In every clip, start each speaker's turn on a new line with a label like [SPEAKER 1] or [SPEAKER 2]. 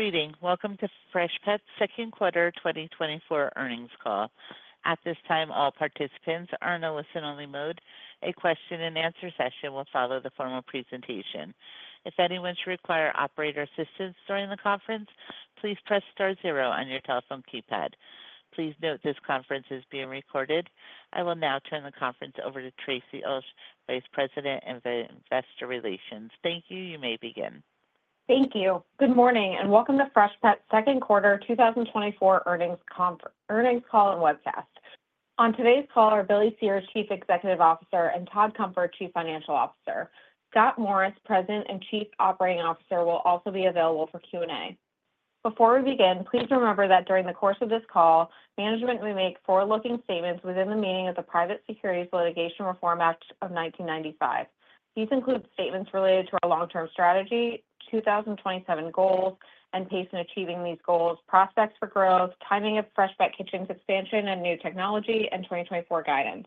[SPEAKER 1] Greetings. Welcome to Freshpet second quarter 2024 earnings call. At this time, all participants are in a listen-only mode. A question-and-answer session will follow the formal presentation. If anyone should require operator assistance during the conference, please press star zero on your telephone keypad. Please note this conference is being recorded. I will now turn the conference over to Rachel Ulsh, Vice President of Investor Relations. Thank you. You may begin.
[SPEAKER 2] Thank you. Good morning and welcome to Freshpet second quarter 2024 earnings call and webcast. On today's call are Billy Cyr, Chief Executive Officer, and Todd Cunfer, Chief Financial Officer. Scott Morris, President and Chief Operating Officer, will also be available for Q&A. Before we begin, please remember that during the course of this call, management may make forward-looking statements within the meaning of the Private Securities Litigation Reform Act of 1995. These include statements related to our long-term strategy, 2027 goals, and pace in achieving these goals, prospects for growth, timing of Freshpet Kitchens expansion and new technology, and 2024 guidance.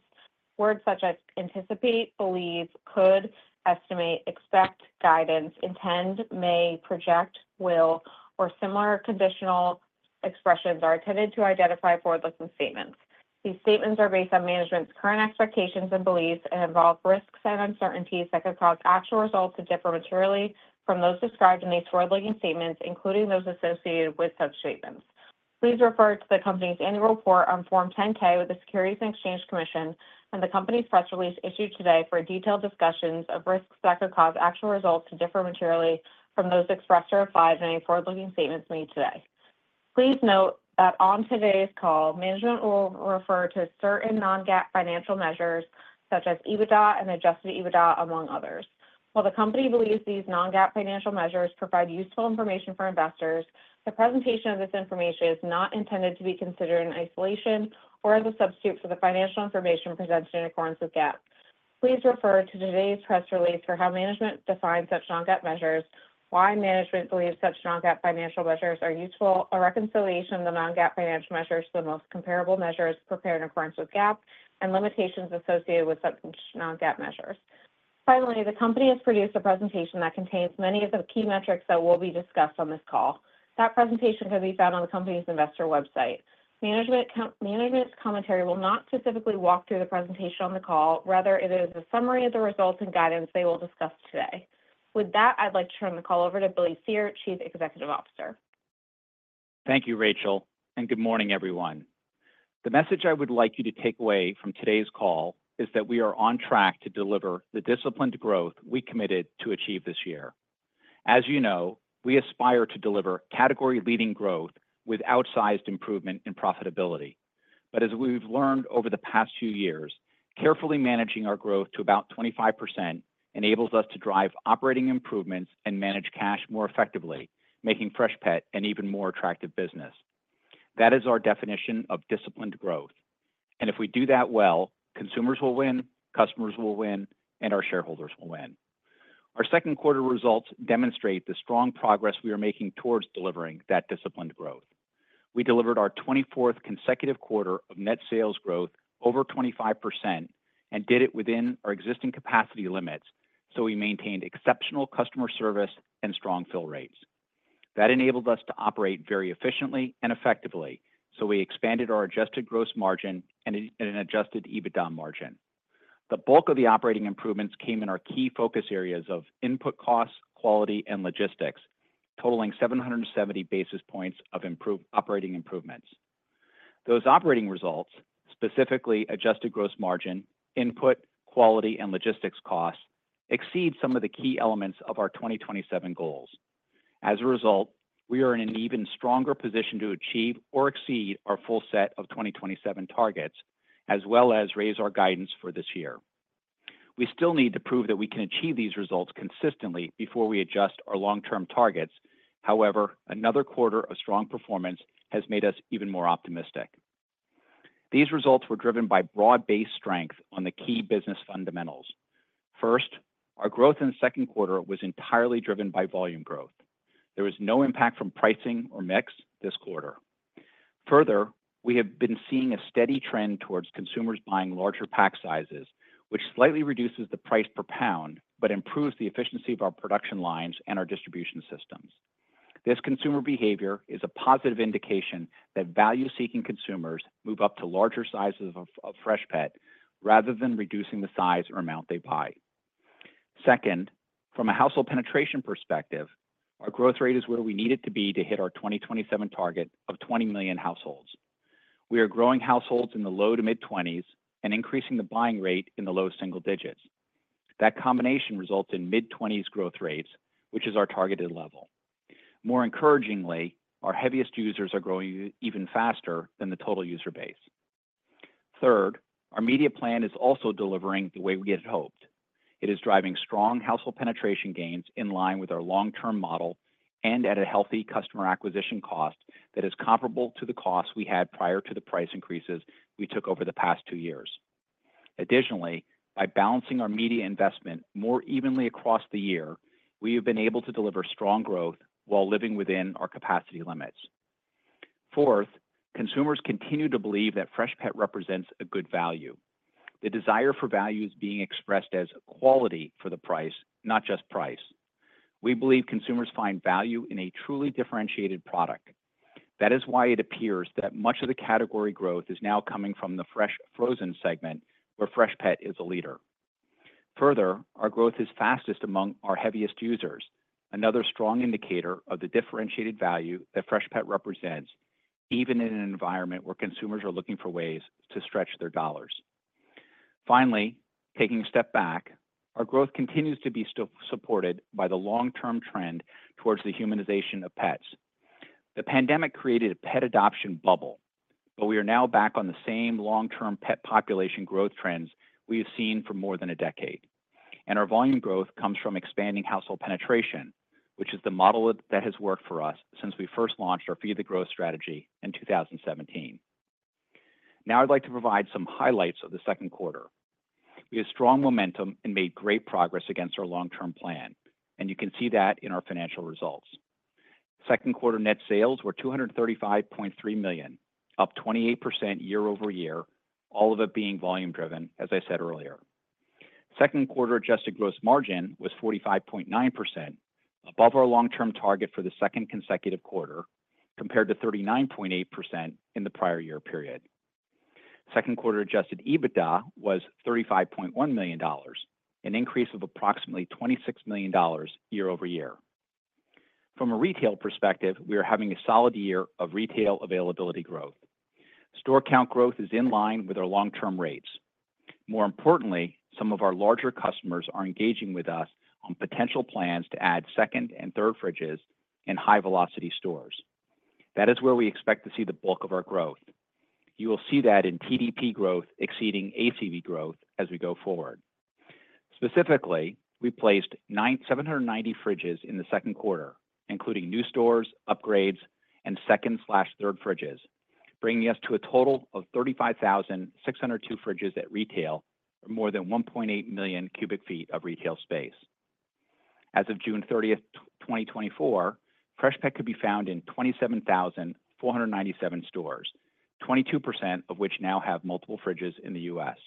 [SPEAKER 2] Words such as anticipate, believe, could, estimate, expect, guidance, intend, may, project, will, or similar conditional expressions are intended to identify forward-looking statements. These statements are based on management's current expectations and beliefs and involve risks and uncertainties that could cause actual results to differ materially from those described in these forward-looking statements, including those associated with such statements. Please refer to the company's annual report on Form 10-K with the Securities and Exchange Commission and the company's press release issued today for detailed discussions of risks that could cause actual results to differ materially from those expressed or implied in any forward-looking statements made today. Please note that on today's call, management will refer to certain non-GAAP financial measures such as EBITDA and Adjusted EBITDA, among others. While the company believes these non-GAAP financial measures provide useful information for investors, the presentation of this information is not intended to be considered in isolation or as a substitute for the financial information presented in accordance with GAAP. Please refer to today's press release for how management defines such non-GAAP measures, why management believes such non-GAAP financial measures are useful, a reconciliation of the non-GAAP financial measures to the most comparable measures prepared in accordance with GAAP, and limitations associated with such non-GAAP measures. Finally, the company has produced a presentation that contains many of the key metrics that will be discussed on this call. That presentation can be found on the company's investor website. Management's commentary will not specifically walk through the presentation on the call; rather, it is a summary of the results and guidance they will discuss today. With that, I'd like to turn the call over to Billy Cyr, Chief Executive Officer.
[SPEAKER 3] Thank you, Rachel, and good morning, everyone. The message I would like you to take away from today's call is that we are on track to deliver the disciplined growth we committed to achieve this year. As you know, we aspire to deliver category-leading growth with outsized improvement in profitability. But as we've learned over the past few years, carefully managing our growth to about 25% enables us to drive operating improvements and manage cash more effectively, making Freshpet an even more attractive business. That is our definition of disciplined growth. And if we do that well, consumers will win, customers will win, and our shareholders will win. Our second quarter results demonstrate the strong progress we are making towards delivering that disciplined growth. We delivered our 24th consecutive quarter of net sales growth over 25% and did it within our existing capacity limits, so we maintained exceptional customer service and strong fill rates. That enabled us to operate very efficiently and effectively, so we expanded our Adjusted Gross Margin and an Adjusted EBITDA margin. The bulk of the operating improvements came in our key focus areas of input costs, quality, and logistics, totaling 770 basis points of improved operating improvements. Those operating results, specifically Adjusted Gross Margin, input, quality, and logistics costs, exceed some of the key elements of our 2027 goals. As a result, we are in an even stronger position to achieve or exceed our full set of 2027 targets, as well as raise our guidance for this year. We still need to prove that we can achieve these results consistently before we adjust our long-term targets. However, another quarter of strong performance has made us even more optimistic. These results were driven by broad-based strength on the key business fundamentals. First, our growth in the second quarter was entirely driven by volume growth. There was no impact from pricing or mix this quarter. Further, we have been seeing a steady trend towards consumers buying larger pack sizes, which slightly reduces the price per pound but improves the efficiency of our production lines and our distribution systems. This consumer behavior is a positive indication that value-seeking consumers move up to larger sizes of Freshpet rather than reducing the size or amount they buy. Second, from a household penetration perspective, our growth rate is where we need it to be to hit our 2027 target of 20 million households. We are growing households in the low to mid-20s and increasing the buying rate in the low single digits. That combination results in mid-20s growth rates, which is our targeted level. More encouragingly, our heaviest users are growing even faster than the total user base. Third, our media plan is also delivering the way we had hoped. It is driving strong household penetration gains in line with our long-term model and at a healthy customer acquisition cost that is comparable to the costs we had prior to the price increases we took over the past two years. Additionally, by balancing our media investment more evenly across the year, we have been able to deliver strong growth while living within our capacity limits. Fourth, consumers continue to believe that Freshpet represents a good value. The desire for value is being expressed as quality for the price, not just price. We believe consumers find value in a truly differentiated product. That is why it appears that much of the category growth is now coming from the fresh frozen segment, where Freshpet is a leader. Further, our growth is fastest among our heaviest users, another strong indicator of the differentiated value that Freshpet represents, even in an environment where consumers are looking for ways to stretch their dollars. Finally, taking a step back, our growth continues to be supported by the long-term trend towards the humanization of pets. The pandemic created a pet adoption bubble, but we are now back on the same long-term pet population growth trends we have seen for more than a decade. And our volume growth comes from expanding household penetration, which is the model that has worked for us since we first launched our feed-the-growth strategy in 2017. Now, I'd like to provide some highlights of the second quarter. We have strong momentum and made great progress against our long-term plan, and you can see that in our financial results. Second quarter net sales were $235.3 million, up 28% year-over-year, all of it being volume-driven, as I said earlier. Second quarter adjusted gross margin was 45.9%, above our long-term target for the second consecutive quarter, compared to 39.8% in the prior year period. Second quarter Adjusted EBITDA was $35.1 million, an increase of approximately $26 million year-over-year. From a retail perspective, we are having a solid year of retail availability growth. Store count growth is in line with our long-term rates. More importantly, some of our larger customers are engaging with us on potential plans to add second and third fridges in high-velocity stores. That is where we expect to see the bulk of our growth. You will see that in TDP growth exceeding ACV growth as we go forward. Specifically, we placed 790 fridges in the second quarter, including new stores, upgrades, and second/third fridges, bringing us to a total of 35,602 fridges at retail or more than 1.8 million cu ft of retail space. As of June 30th, 2024, Freshpet could be found in 27,497 stores, 22% of which now have multiple fridges in the U.S.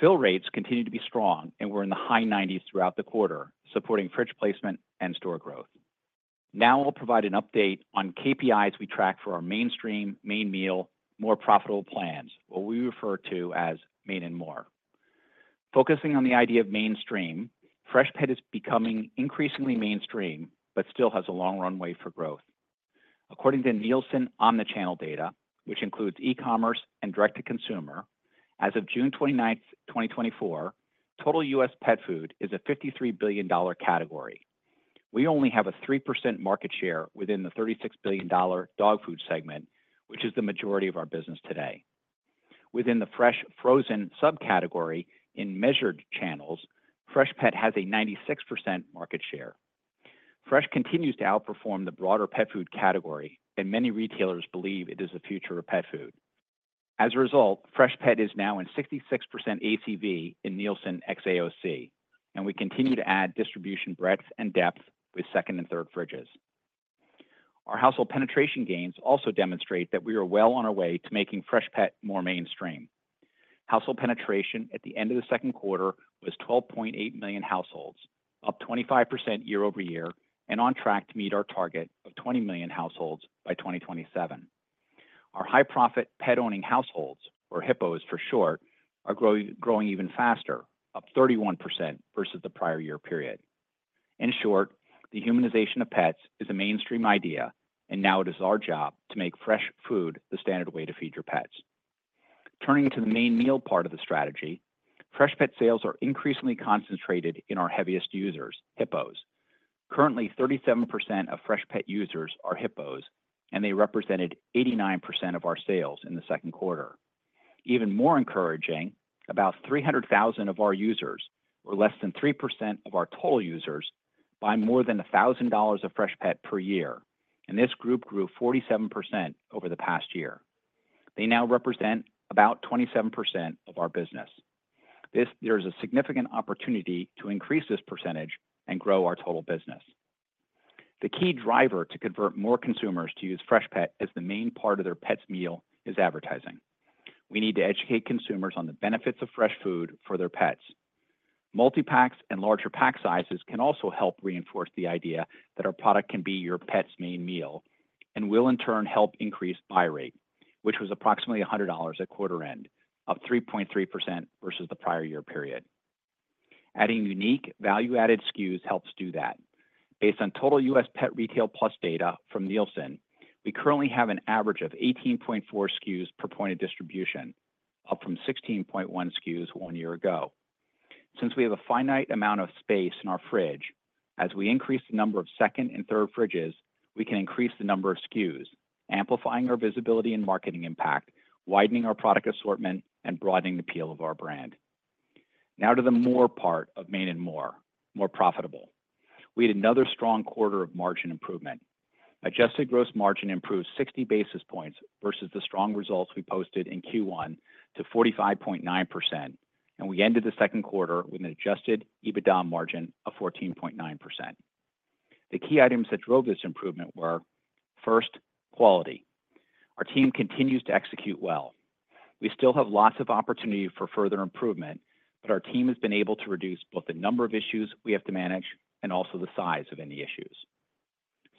[SPEAKER 3] Fill rates continue to be strong and were in the high 90%s throughout the quarter, supporting fridge placement and store growth. Now, I'll provide an update on KPIs we track for our mainstream, main meal, more profitable plans, what we refer to as Main and More. Focusing on the idea of mainstream, Freshpet is becoming increasingly mainstream but still has a long runway for growth. According to Nielsen Omnichannel Data, which includes e-commerce and direct-to-consumer, as of June 29, 2024, total U.S. pet food is a $53 billion category. We only have a 3% market share within the $36 billion dog food segment, which is the majority of our business today. Within the fresh frozen subcategory in measured channels, Freshpet has a 96% market share. Fresh continues to outperform the broader pet food category, and many retailers believe it is the future of pet food. As a result, Freshpet is now in 66% ACV in Nielsen XAOC, and we continue to add distribution breadth and depth with second and third fridges. Our household penetration gains also demonstrate that we are well on our way to making Freshpet more mainstream. Household penetration at the end of the second quarter was 12.8 million households, up 25% year-over-year, and on track to meet our target of 20 million households by 2027. Our high-profit pet-owning households, or HiPOs for short, are growing even faster, up 31% versus the prior year period. In short, the humanization of pets is a mainstream idea, and now it is our job to make fresh food the standard way to feed your pets. Turning to the main meal part of the strategy, Freshpet sales are increasingly concentrated in our heaviest users, HiPOs. Currently, 37% of Freshpet users are HiPOs, and they represented 89% of our sales in the second quarter. Even more encouraging, about 300,000 of our users were less than 3% of our total users buying more than $1,000 of Freshpet per year, and this group grew 47% over the past year. They now represent about 27% of our business. There is a significant opportunity to increase this percentage and grow our total business. The key driver to convert more consumers to use Freshpet as the main part of their pet's meal is advertising. We need to educate consumers on the benefits of fresh food for their pets. Multi-packs and larger pack sizes can also help reinforce the idea that our product can be your pet's main meal and will, in turn, help increase buy rate, which was approximately $100 at quarter end, up 3.3% versus the prior year period. Adding unique value-added SKUs helps do that. U.S. Pet Retail Plus data from Nielsen, we currently have an average of 18.4 SKUs per point of distribution, up from 16.1 SKUs one year ago. Since we have a finite amount of space in our fridge, as we increase the number of second and third fridges, we can increase the number of SKUs, amplifying our visibility and marketing impact, widening our product assortment, and broadening the appeal of our brand. Now to the more part of Main and More, more profitable. We had another strong quarter of margin improvement. Adjusted gross margin improved 60 basis points versus the strong results we posted in Q1 to 45.9%, and we ended the second quarter with an Adjusted EBITDA margin of 14.9%. The key items that drove this improvement were, first, quality. Our team continues to execute well. We still have lots of opportunity for further improvement, but our team has been able to reduce both the number of issues we have to manage and also the size of any issues.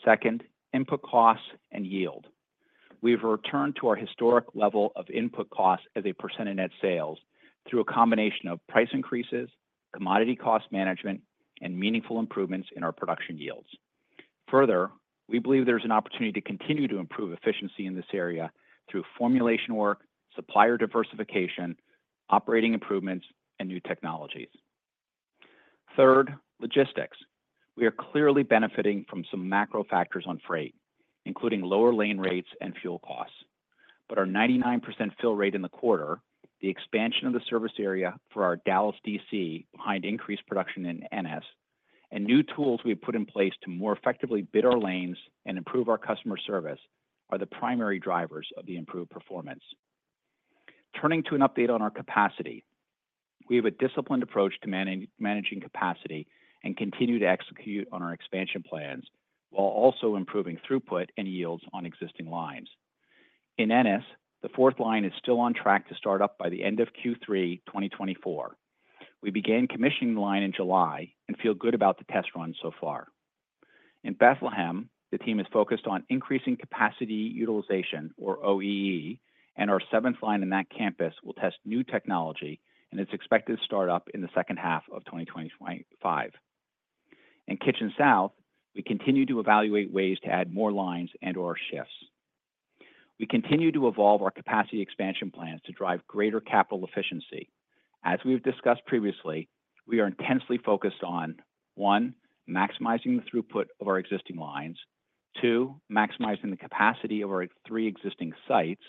[SPEAKER 3] Second, input costs and yield. We've returned to our historic level of input costs as a percent of net sales through a combination of price increases, commodity cost management, and meaningful improvements in our production yields. Further, we believe there's an opportunity to continue to improve efficiency in this area through formulation work, supplier diversification, operating improvements, and new technologies. Third, logistics. We are clearly benefiting from some macro factors on freight, including lower lane rates and fuel costs. But our 99% fill rate in the quarter, the expansion of the service area for our Dallas DC behind increased production in Ennis, and new tools we have put in place to more effectively bid our lanes and improve our customer service are the primary drivers of the improved performance. Turning to an update on our capacity, we have a disciplined approach to managing capacity and continue to execute on our expansion plans while also improving throughput and yields on existing lines. In Ennis, the fourth line is still on track to start up by the end of Q3 2024. We began commissioning the line in July and feel good about the test run so far. In Bethlehem, the team is focused on increasing capacity utilization, or OEE, and our seventh line in that campus will test new technology and is expected to start up in the second half of 2025. In Kitchen South, we continue to evaluate ways to add more lines and/or shifts. We continue to evolve our capacity expansion plans to drive greater capital efficiency. As we've discussed previously, we are intensely focused on, one, maximizing the throughput of our existing lines, two, maximizing the capacity of our three existing sites,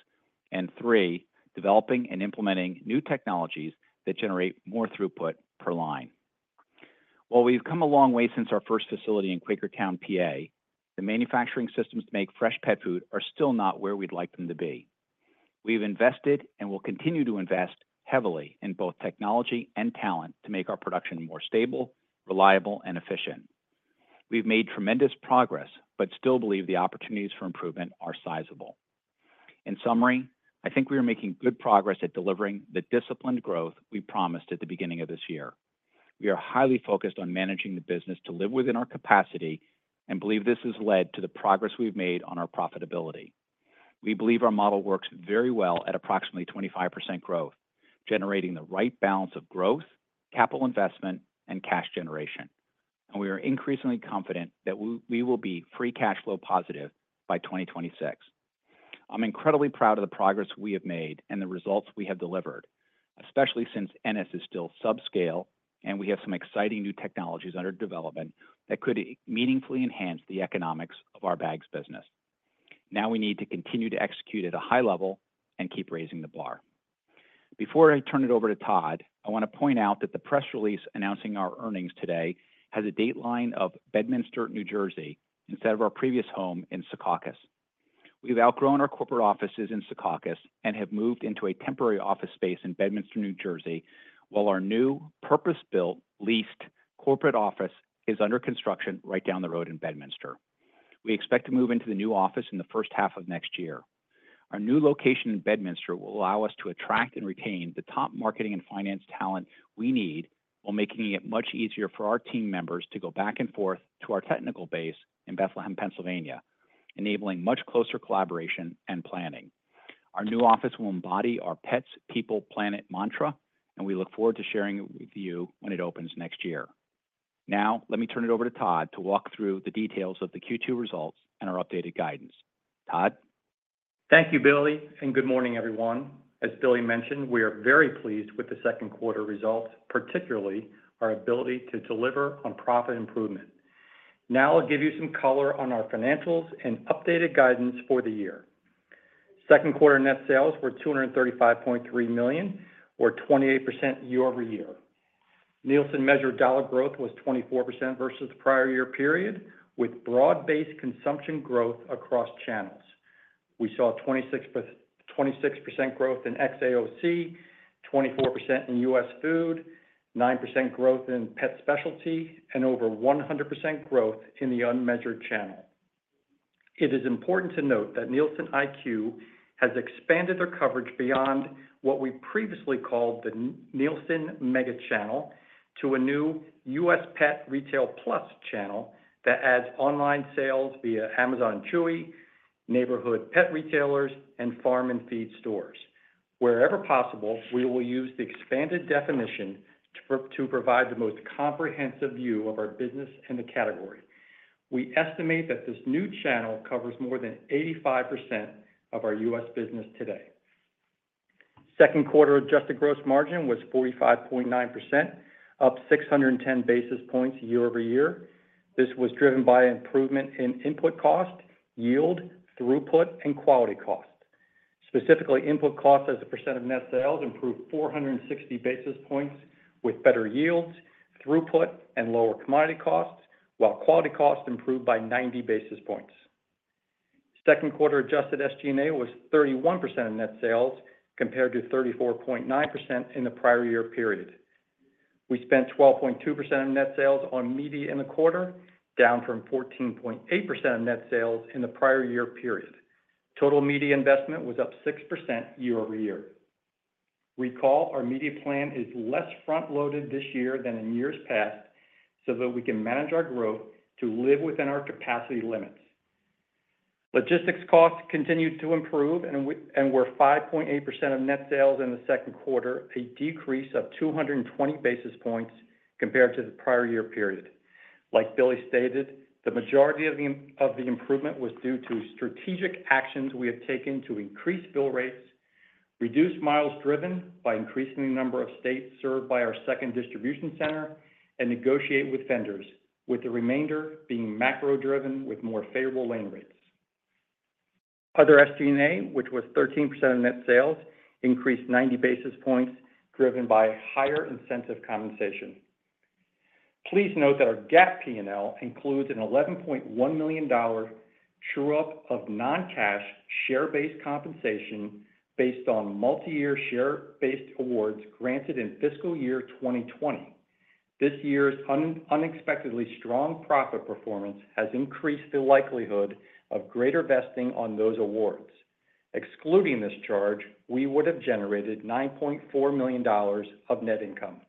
[SPEAKER 3] and three, developing and implementing new technologies that generate more throughput per line. While we've come a long way since our first facility in Quakertown, PA, the manufacturing systems to make fresh pet food are still not where we'd like them to be. We've invested and will continue to invest heavily in both technology and talent to make our production more stable, reliable, and efficient. We've made tremendous progress but still believe the opportunities for improvement are sizable. In summary, I think we are making good progress at delivering the disciplined growth we promised at the beginning of this year. We are highly focused on managing the business to live within our capacity and believe this has led to the progress we've made on our profitability. We believe our model works very well at approximately 25% growth, generating the right balance of growth, capital investment, and cash generation. We are increasingly confident that we will be free cash flow positive by 2026. I'm incredibly proud of the progress we have made and the results we have delivered, especially since Ennis is still subscale and we have some exciting new technologies under development that could meaningfully enhance the economics of our bags business. Now we need to continue to execute at a high level and keep raising the bar. Before I turn it over to Todd, I want to point out that the press release announcing our earnings today has a date line of Bedminster, New Jersey, instead of our previous home in Secaucus. We've outgrown our corporate offices in Secaucus and have moved into a temporary office space in Bedminster, New Jersey, while our new purpose-built leased corporate office is under construction right down the road in Bedminster. We expect to move into the new office in the first half of next year. Our new location in Bedminster will allow us to attract and retain the top marketing and finance talent we need while making it much easier for our team members to go back and forth to our technical base in Bethlehem, Pennsylvania, enabling much closer collaboration and planning. Our new office will embody our pets, people, planet mantra, and we look forward to sharing it with you when it opens next year. Now, let me turn it over to Todd to walk through the details of the Q2 results and our updated guidance. Todd.
[SPEAKER 4] Thank you, Billy, and good morning, everyone. As Billy mentioned, we are very pleased with the second quarter results, particularly our ability to deliver on profit improvement. Now I'll give you some color on our financials and updated guidance for the year. Second quarter net sales were $235.3 million, or 28% year-over-year. Nielsen measured dollar growth was 24% versus the prior year period, with broad-based consumption growth across channels. We saw 26% growth in XAOC, 24% in U.S. food, 9% growth in pet specialty, and over 100% growth in the unmeasured channel. It is important to note that NielsenIQ has expanded their coverage beyond what we previously called the Nielsen mega channel to a new U.S. Pet Retail Plus channel that adds online sales via Amazon, Chewy, neighborhood pet retailers, and farm and feed stores. Wherever possible, we will use the expanded definition to provide the most comprehensive view of our business and the category. We estimate that this new channel covers more than 85% of our U.S. business today. Second quarter adjusted gross margin was 45.9%, up 610 basis points year-over-year. This was driven by improvement in input cost, yield, throughput, and quality cost. Specifically, input cost as a percent of net sales improved 460 basis points with better yields, throughput, and lower commodity costs, while quality cost improved by 90 basis points. Second quarter adjusted SG&A was 31% of net sales compared to 34.9% in the prior year period. We spent 12.2% of net sales on media in the quarter, down from 14.8% of net sales in the prior year period. Total media investment was up 6% year-over-year. Recall our media plan is less front-loaded this year than in years past so that we can manage our growth to live within our capacity limits. Logistics costs continued to improve and were 5.8% of net sales in the second quarter, a decrease of 220 basis points compared to the prior year period. Like Billy stated, the majority of the improvement was due to strategic actions we have taken to increase fill rates, reduce miles driven by increasing the number of states served by our second distribution center, and negotiate with vendors, with the remainder being macro-driven with more favorable lane rates. Other SG&A, which was 13% of net sales, increased 90 basis points driven by higher incentive compensation. Please note that our GAAP P&L includes an $11.1 million true-up of non-cash share-based compensation based on multi-year share-based awards granted in fiscal year 2020. This year's unexpectedly strong profit performance has increased the likelihood of greater vesting on those awards. Excluding this charge, we would have generated $9.4 million of net income.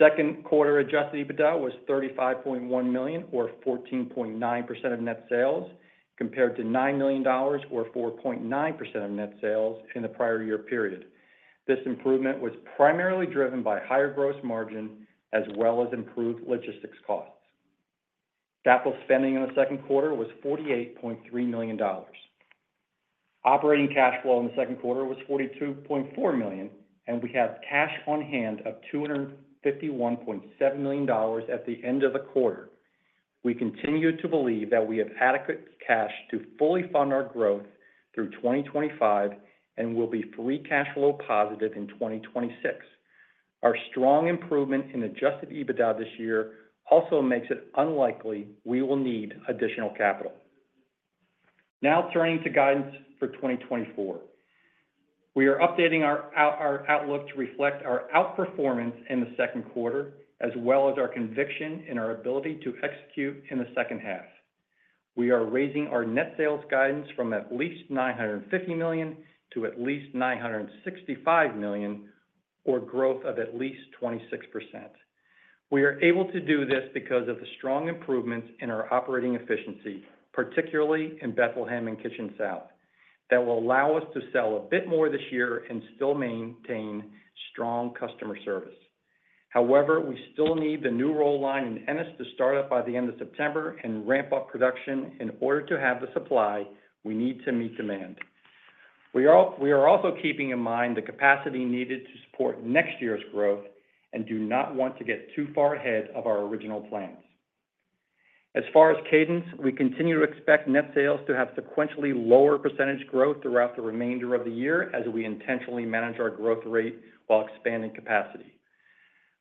[SPEAKER 4] Second quarter Adjusted EBITDA was $35.1 million, or 14.9% of net sales, compared to $9 million, or 4.9% of net sales in the prior year period. This improvement was primarily driven by higher gross margin as well as improved logistics costs. Capital spending in the second quarter was $48.3 million. Operating cash flow in the second quarter was $42.4 million, and we have cash on hand of $251.7 million at the end of the quarter. We continue to believe that we have adequate cash to fully fund our growth through 2025 and will be free cash flow positive in 2026. Our strong improvement in Adjusted EBITDA this year also makes it unlikely we will need additional capital. Now turning to guidance for 2024. We are updating our outlook to reflect our outperformance in the second quarter as well as our conviction in our ability to execute in the second half. We are raising our net sales guidance from at least $950 million-$965 million, or growth of at least 26%. We are able to do this because of the strong improvements in our operating efficiency, particularly in Bethlehem and Kitchen South, that will allow us to sell a bit more this year and still maintain strong customer service. However, we still need the new roll line in NS to start up by the end of September and ramp up production in order to have the supply we need to meet demand. We are also keeping in mind the capacity needed to support next year's growth and do not want to get too far ahead of our original plans. As far as cadence, we continue to expect net sales to have sequentially lower percentage growth throughout the remainder of the year as we intentionally manage our growth rate while expanding capacity.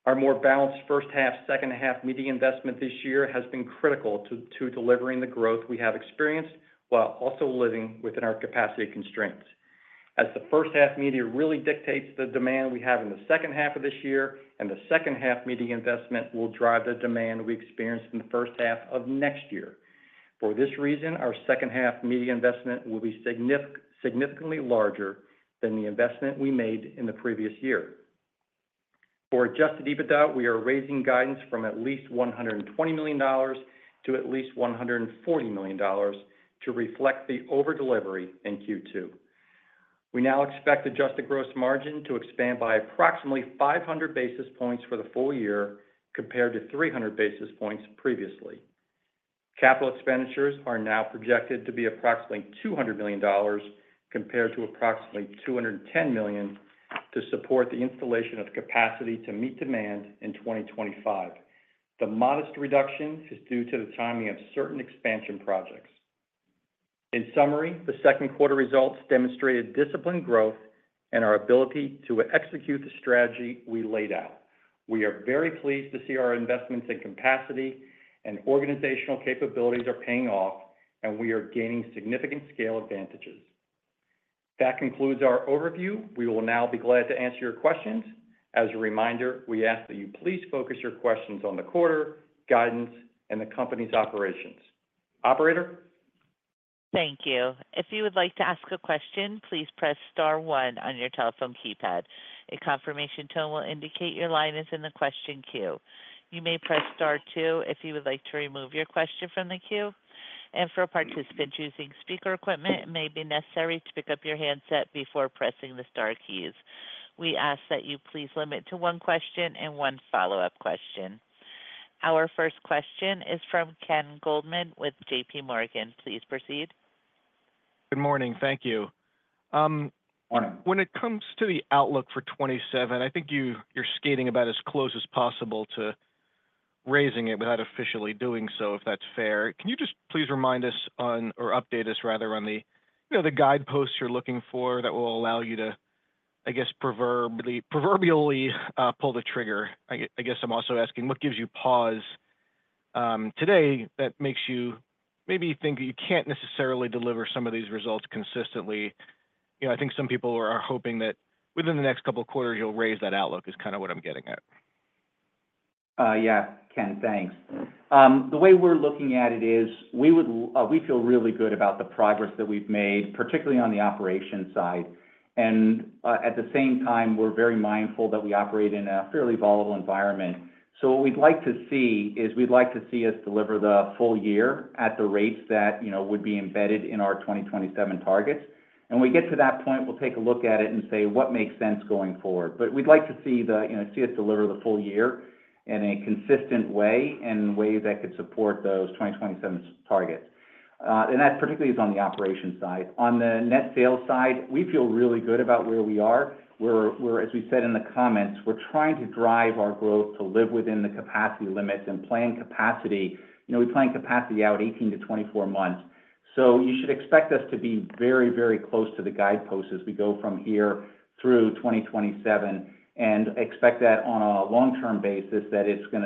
[SPEAKER 4] Our more balanced first half, second half media investment this year has been critical to delivering the growth we have experienced while also living within our capacity constraints. As the first half media really dictates the demand we have in the second half of this year, and the second half media investment will drive the demand we experience in the first half of next year. For this reason, our second half media investment will be significantly larger than the investment we made in the previous year. For Adjusted EBITDA, we are raising guidance from at least $120 million to at least $140 million to reflect the overdelivery in Q2. We now expect Adjusted Gross Margin to expand by approximately 500 basis points for the full year compared to 300 basis points previously. Capital expenditures are now projected to be approximately $200 million compared to approximately $210 million to support the installation of capacity to meet demand in 2025. The modest reduction is due to the timing of certain expansion projects. In summary, the second quarter results demonstrated disciplined growth and our ability to execute the strategy we laid out. We are very pleased to see our investments in capacity and organizational capabilities are paying off, and we are gaining significant scale advantages. That concludes our overview. We will now be glad to answer your questions. As a reminder, we ask that you please focus your questions on the quarter, guidance, and the company's operations. Operator.
[SPEAKER 1] Thank you. If you would like to ask a question, please pressstar one on your telephone keypad. A confirmation tone will indicate your line is in the question queue. You may pressstar two if you would like to remove your question from the queue. And for participants using speaker equipment, it may be necessary to pick up your handset before pressing the Star keys. We ask that you please limit to one question and one follow-up question. Our first question is from Ken Goldman with JPMorgan. Please proceed.
[SPEAKER 5] Good morning. Thank you. Good morning. When it comes to the outlook for 2027, I think you're skating about as close as possible to raising it without officially doing so, if that's fair. Can you just please remind us on, or update us rather, on the guideposts you're looking for that will allow you to, I guess, proverbially pull the trigger? I guess I'm also asking what gives you pause today that makes you maybe think that you can't necessarily deliver some of these results consistently? I think some people are hoping that within the next couple of quarters, you'll raise that outlook, is kind of what I'm getting at.
[SPEAKER 3] Yeah, Ken, thanks. The way we're looking at it is we feel really good about the progress that we've made, particularly on the operation side. And at the same time, we're very mindful that we operate in a fairly volatile environment. So what we'd like to see is we'd like to see us deliver the full year at the rates that would be embedded in our 2027 targets. And when we get to that point, we'll take a look at it and say, "What makes sense going forward?" But we'd like to see us deliver the full year in a consistent way and way that could support those 2027 targets. And that particularly is on the operation side. On the net sales side, we feel really good about where we are. As we said in the comments, we're trying to drive our growth to live within the capacity limits and plan capacity. We plan capacity out 18-24 months. So you should expect us to be very, very close to the guideposts as we go from here through 2027 and expect that on a long-term basis that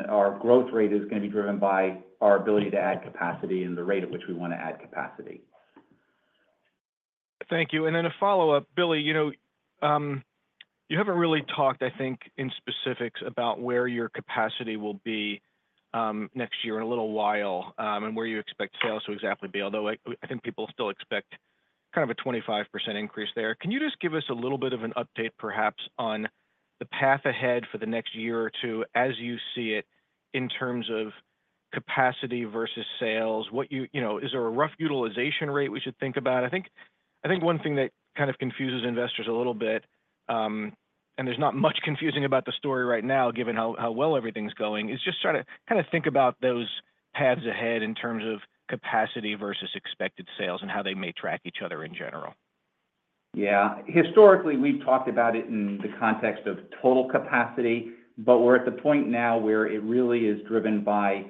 [SPEAKER 3] our growth rate is going to be driven by our ability to add capacity and the rate at which we want to add capacity.
[SPEAKER 5] Thank you. And then a follow-up, Billy, you haven't really talked, I think, in specifics about where your capacity will be next year in a little while and where you expect sales to exactly be, although I think people still expect kind of a 25% increase there. Can you just give us a little bit of an update, perhaps, on the path ahead for the next year or two as you see it in terms of capacity versus sales? Is there a rough utilization rate we should think about? I think one thing that kind of confuses investors a little bit, and there's not much confusing about the story right now given how well everything's going, is just try to kind of think about those paths ahead in terms of capacity versus expected sales and how they may track each other in general.
[SPEAKER 3] Yeah. Historically, we've talked about it in the context of total capacity, but we're at the point now where it really is driven by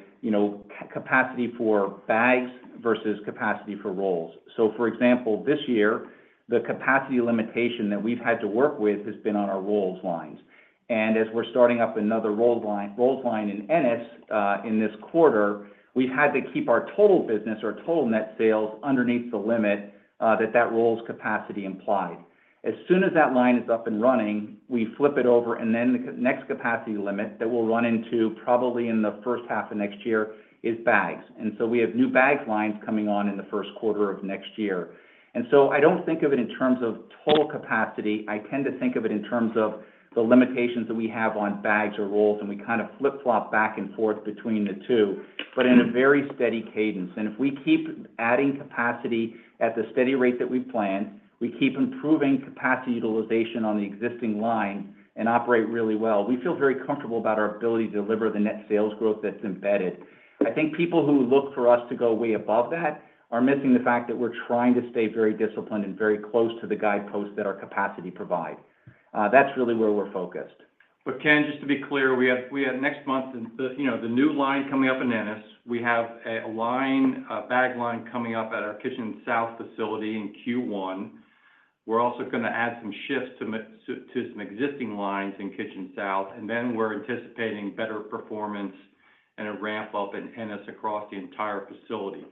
[SPEAKER 3] capacity for bags versus capacity for rolls. So, for example, this year, the capacity limitation that we've had to work with has been on our rolls lines. And as we're starting up another rolls line in Ennis in this quarter, we've had to keep our total business or total net sales underneath the limit that that rolls capacity implied. As soon as that line is up and running, we flip it over, and then the next capacity limit that we'll run into probably in the first half of next year is bags. And so we have new bags lines coming on in the first quarter of next year. And so I don't think of it in terms of total capacity. I tend to think of it in terms of the limitations that we have on bags or rolls, and we kind of flip-flop back and forth between the two, but in a very steady cadence. And if we keep adding capacity at the steady rate that we planned, we keep improving capacity utilization on the existing line and operate really well, we feel very comfortable about our ability to deliver the net sales growth that's embedded. I think people who look for us to go way above that are missing the fact that we're trying to stay very disciplined and very close to the guideposts that our capacity provides. That's really where we're focused.
[SPEAKER 4] But Ken, just to be clear, we have next month the new line coming up in NS. We have a bag line coming up at our Kitchen South facility in Q1. We're also going to add some shifts to some existing lines in Kitchen South, and then we're anticipating better performance and a ramp-up in NS across the entire facility.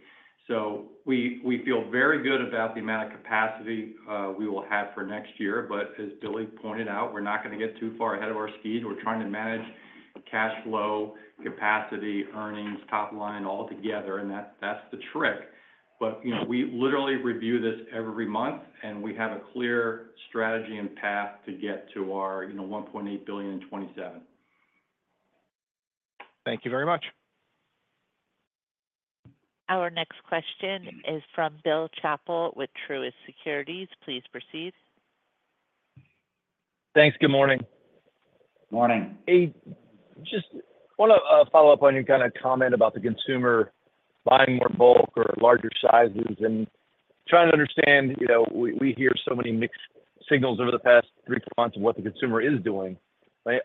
[SPEAKER 4] So we feel very good about the amount of capacity we will have for next year. But as Billy pointed out, we're not going to get too far ahead of our skis. We're trying to manage cash flow, capacity, earnings, top line all together, and that's the trick. But we literally review this every month, and we have a clear strategy and path to get to our $1.8 billion in 2027.
[SPEAKER 5] Thank you very much.
[SPEAKER 1] Our next question is from Bill Chappell with Truist Securities. Please proceed.
[SPEAKER 6] Thanks. Good morning.
[SPEAKER 4] Good morning.
[SPEAKER 6] Just want to follow up on your kind of comment about the consumer buying more bulk or larger sizes and trying to understand. We hear so many mixed signals over the past three months of what the consumer is doing.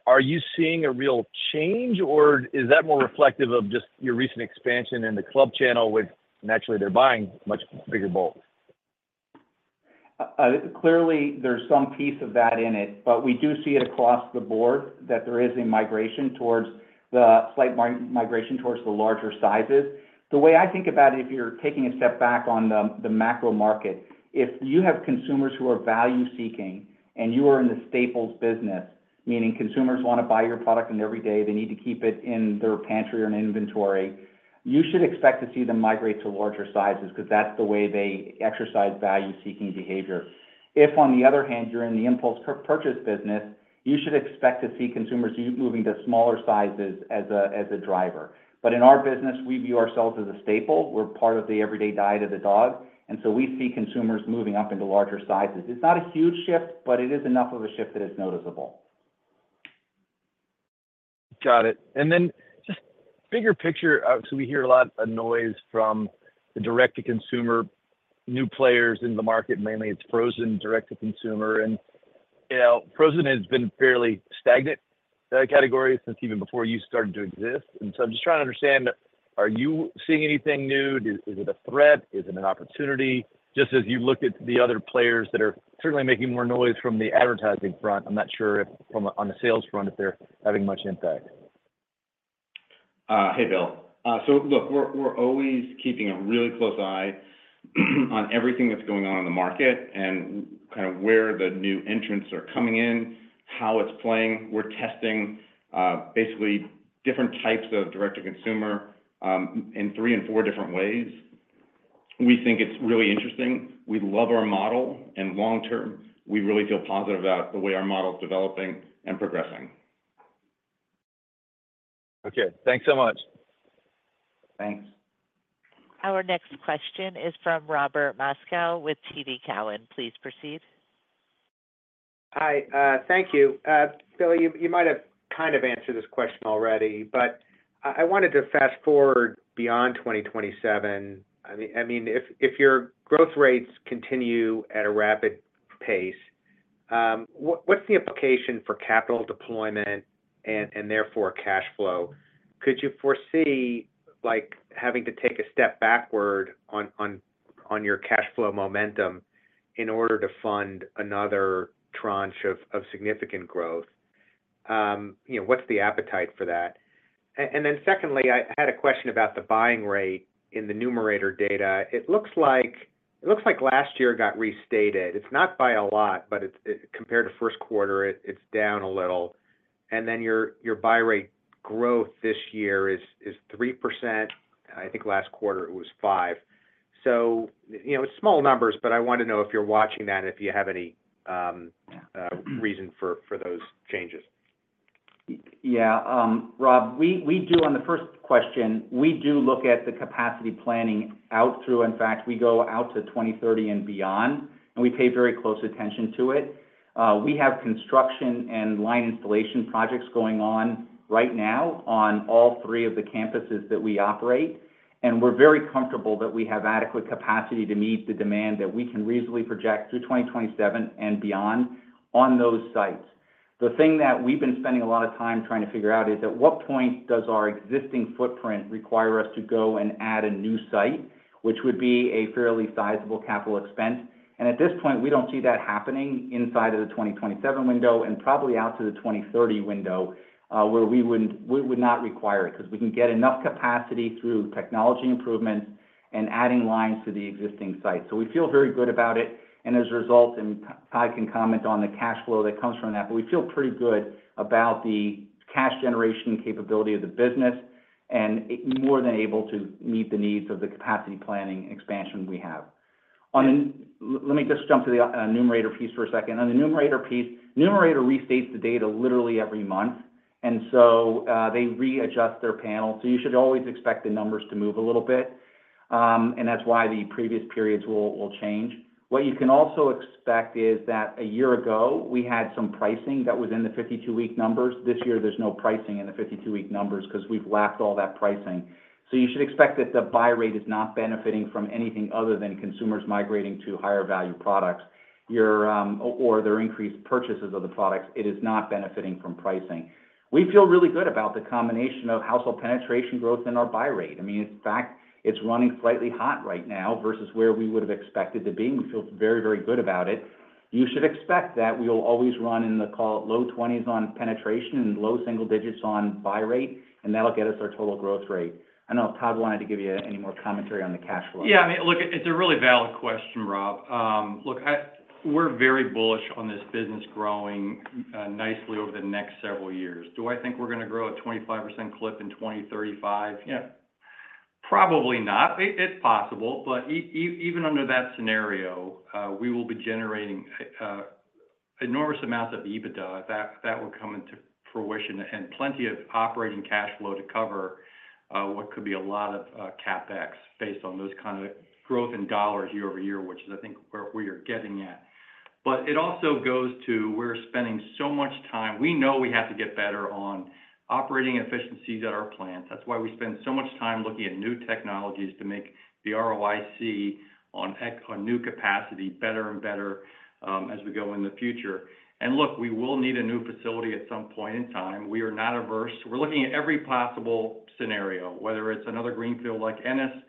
[SPEAKER 6] Are you seeing a real change, or is that more reflective of just your recent expansion in the club channel with, naturally, they're buying much bigger bulk?
[SPEAKER 3] Clearly, there's some piece of that in it, but we do see it across the board that there is a migration towards the slight migration towards the larger sizes. The way I think about it, if you're taking a step back on the macro market, if you have consumers who are value-seeking and you are in the staples business, meaning consumers want to buy your product every day, they need to keep it in their pantry or in inventory, you should expect to see them migrate to larger sizes because that's the way they exercise value-seeking behavior. If, on the other hand, you're in the impulse purchase business, you should expect to see consumers moving to smaller sizes as a driver. But in our business, we view ourselves as a staple. We're part of the everyday diet of the dog, and so we see consumers moving up into larger sizes. It's not a huge shift, but it is enough of a shift that it's noticeable.
[SPEAKER 6] Got it. And then just bigger picture, so we hear a lot of noise from the direct-to-consumer new players in the market, mainly it's frozen, direct-to-consumer. And frozen has been fairly stagnant categories since even before you started to exist. And so I'm just trying to understand, are you seeing anything new? Is it a threat? Is it an opportunity? Just as you look at the other players that are certainly making more noise from the advertising front, I'm not sure if on the sales front, if they're having much impact.
[SPEAKER 4] Hey, Bill. So look, we're always keeping a really close eye on everything that's going on in the market and kind of where the new entrants are coming in, how it's playing. We're testing basically different types of direct-to-consumer in three and four different ways. We think it's really interesting. We love our model, and long-term, we really feel positive about the way our model is developing and progressing.
[SPEAKER 6] Okay. Thanks so much.
[SPEAKER 3] Thanks.
[SPEAKER 1] Our next question is from Robert Moskow with TD Cowen. Please proceed.
[SPEAKER 7] Hi. Thank you. Billy, you might have kind of answered this question already, but I wanted to fast forward beyond 2027. I mean, if your growth rates continue at a rapid pace, what's the implication for capital deployment and therefore cash flow? Could you foresee having to take a step backward on your cash flow momentum in order to fund another tranche of significant growth? What's the appetite for that? And then secondly, I had a question about the buying rate in the Nielsen data. It looks like last year got restated. It's not by a lot, but compared to first quarter, it's down a little. And then your buy rate growth this year is 3%. I think last quarter it was 5%. So it's small numbers, but I want to know if you're watching that and if you have any reason for those changes.
[SPEAKER 3] Yeah. Rob, on the first question, we do look at the capacity planning out through, in fact, we go out to 2030 and beyond, and we pay very close attention to it. We have construction and line installation projects going on right now on all three of the campuses that we operate, and we're very comfortable that we have adequate capacity to meet the demand that we can reasonably project through 2027 and beyond on those sites. The thing that we've been spending a lot of time trying to figure out is at what point does our existing footprint require us to go and add a new site, which would be a fairly sizable capital expense? And at this point, we don't see that happening inside of the 2027 window and probably out to the 2030 window where we would not require it because we can get enough capacity through technology improvements and adding lines to the existing site. So we feel very good about it. And as a result, and Todd can comment on the cash flow that comes from that, but we feel pretty good about the cash generation capability of the business and more than able to meet the needs of the capacity planning expansion we have. Let me just jump to the Numerator piece for a second. On the Numerator piece, Numerator restates the data literally every month, and so they readjust their panel. So you should always expect the numbers to move a little bit, and that's why the previous periods will change. What you can also expect is that a year ago, we had some pricing that was in the 52-week numbers. This year, there's no pricing in the 52-week numbers because we've lapped all that pricing. So you should expect that the buy rate is not benefiting from anything other than consumers migrating to higher-value products or their increased purchases of the products. It is not benefiting from pricing. We feel really good about the combination of household penetration growth and our buy rate. I mean, in fact, it's running slightly hot right now versus where we would have expected to be. We feel very, very good about it. You should expect that we will always run in the, call it, low 20s on penetration and low single digits on buy rate, and that'll get us our total growth rate. I don't know if Todd wanted to give you any more commentary on the cash flow.
[SPEAKER 4] Yeah. I mean, look, it's a really valid question, Rob. Look, we're very bullish on this business growing nicely over the next several years. Do I think we're going to grow a 25% clip in 2035? Yeah. Probably not. It's possible. But even under that scenario, we will be generating enormous amounts of EBITDA if that would come into fruition and plenty of operating cash flow to cover what could be a lot of CapEx based on those kind of growth in dollars year-over-year, which is, I think, where you're getting at. But it also goes to we're spending so much time. We know we have to get better on operating efficiencies at our plants. That's why we spend so much time looking at new technologies to make the ROIC on new capacity better and better as we go in the future. And look, we will need a new facility at some point in time. We are not averse. We're looking at every possible scenario, whether it's another greenfield like NS.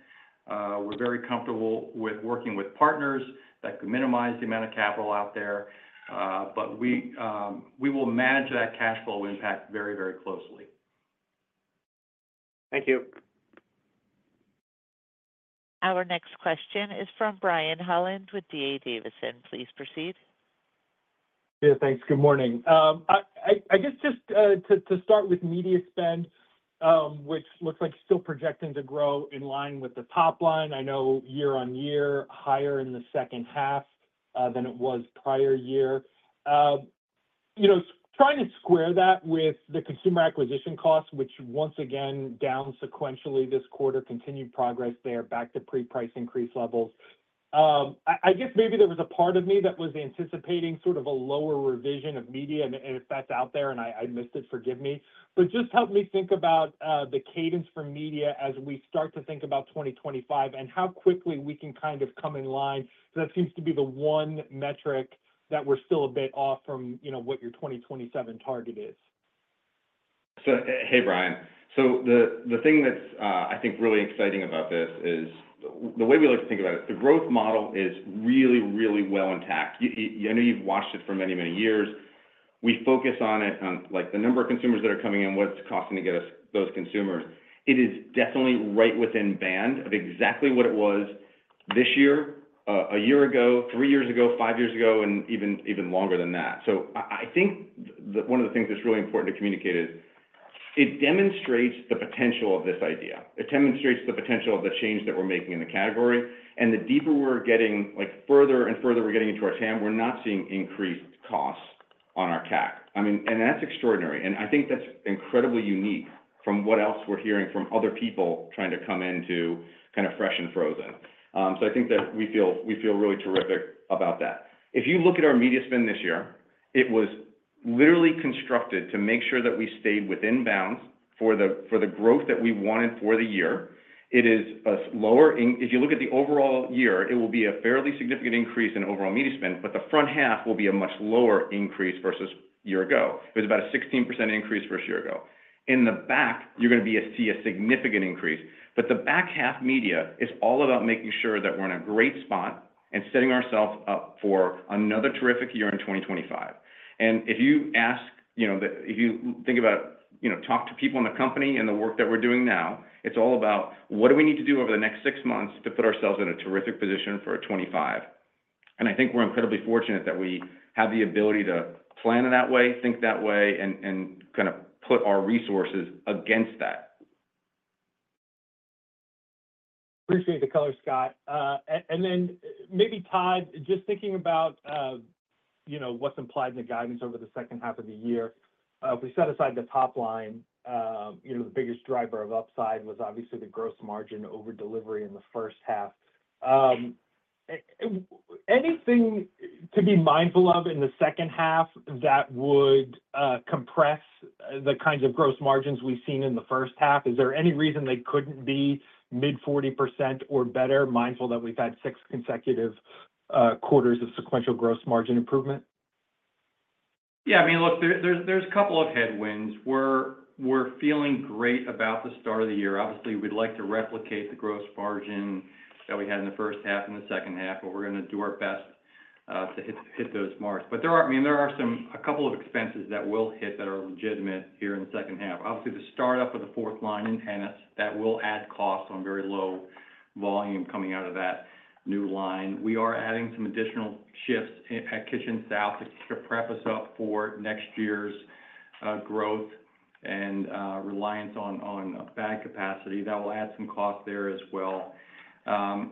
[SPEAKER 4] We're very comfortable with working with partners that could minimize the amount of capital out there, but we will manage that cash flow impact very, very closely.
[SPEAKER 7] Thank you.
[SPEAKER 1] Our next question is from Brian Holland with D.A. Davidson. Please proceed.
[SPEAKER 8] Yeah. Thanks. Good morning. I guess just to start with media spend, which looks like still projecting to grow in line with the top line. I know year on year, higher in the second half than it was prior year. Trying to square that with the consumer acquisition costs, which once again, down sequentially this quarter, continued progress there, back to pre-price increase levels. I guess maybe there was a part of me that was anticipating sort of a lower revision of media, and if that's out there and I missed it, forgive me. But just help me think about the cadence for media as we start to think about 2025 and how quickly we can kind of come in line. So that seems to be the one metric that we're still a bit off from what your 2027 target is.
[SPEAKER 9] So hey, Brian. So the thing that's I think really exciting about this is the way we like to think about it, the growth model is really, really well intact. I know you've watched it for many, many years. We focus on it, the number of consumers that are coming in, what's costing to get us those consumers. It is definitely right within band of exactly what it was this year, a year ago, three years ago, five years ago, and even longer than that. So I think one of the things that's really important to communicate is it demonstrates the potential of this idea. It demonstrates the potential of the change that we're making in the category. And the deeper we're getting, further and further we're getting into our TAM, we're not seeing increased costs on our CAC. I mean, and that's extraordinary. And I think that's incredibly unique from what else we're hearing from other people trying to come into kind of fresh and frozen. So I think that we feel really terrific about that. If you look at our media spend this year, it was literally constructed to make sure that we stayed within bounds for the growth that we wanted for the year. It is lower. If you look at the overall year, it will be a fairly significant increase in overall media spend, but the front half will be a much lower increase versus a year ago. It was about a 16% increase versus a year ago. In the back, you're going to see a significant increase. But the back half media is all about making sure that we're in a great spot and setting ourselves up for another terrific year in 2025. And if you ask, if you think about talk to people in the company and the work that we're doing now, it's all about what do we need to do over the next six months to put ourselves in a terrific position for 2025. And I think we're incredibly fortunate that we have the ability to plan in that way, think that way, and kind of put our resources against that.
[SPEAKER 8] Appreciate the color, Scott. And then maybe, Todd, just thinking about what's implied in the guidance over the second half of the year, if we set aside the top line, the biggest driver of upside was obviously the gross margin over delivery in the first half. Anything to be mindful of in the second half that would compress the kinds of gross margins we've seen in the first half? Is there any reason they couldn't be mid-40% or better, mindful that we've had six consecutive quarters of sequential gross margin improvement?
[SPEAKER 4] Yeah. I mean, look, there's a couple of headwinds. We're feeling great about the start of the year. Obviously, we'd like to replicate the gross margin that we had in the first half and the second half, but we're going to do our best to hit those marks. But I mean, there are a couple of expenses that will hit that are legitimate here in the second half. Obviously, the startup of the fourth line in Ennis that will add costs on very low volume coming out of that new line. We are adding some additional shifts at Kitchen South to prep us up for next year's growth and reliance on bag capacity. That will add some costs there as well.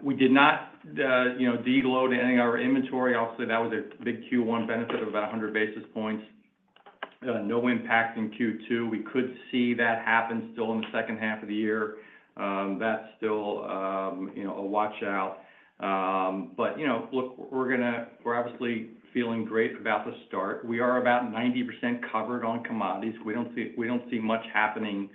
[SPEAKER 4] We did not de-load any of our inventory. Obviously, that was a big Q1 benefit of about 100 basis points. No impact in Q2. We could see that happen still in the second half of the year. That's still a watch-out. But look, we're obviously feeling great about the start. We are about 90% covered on commodities. We don't see much happening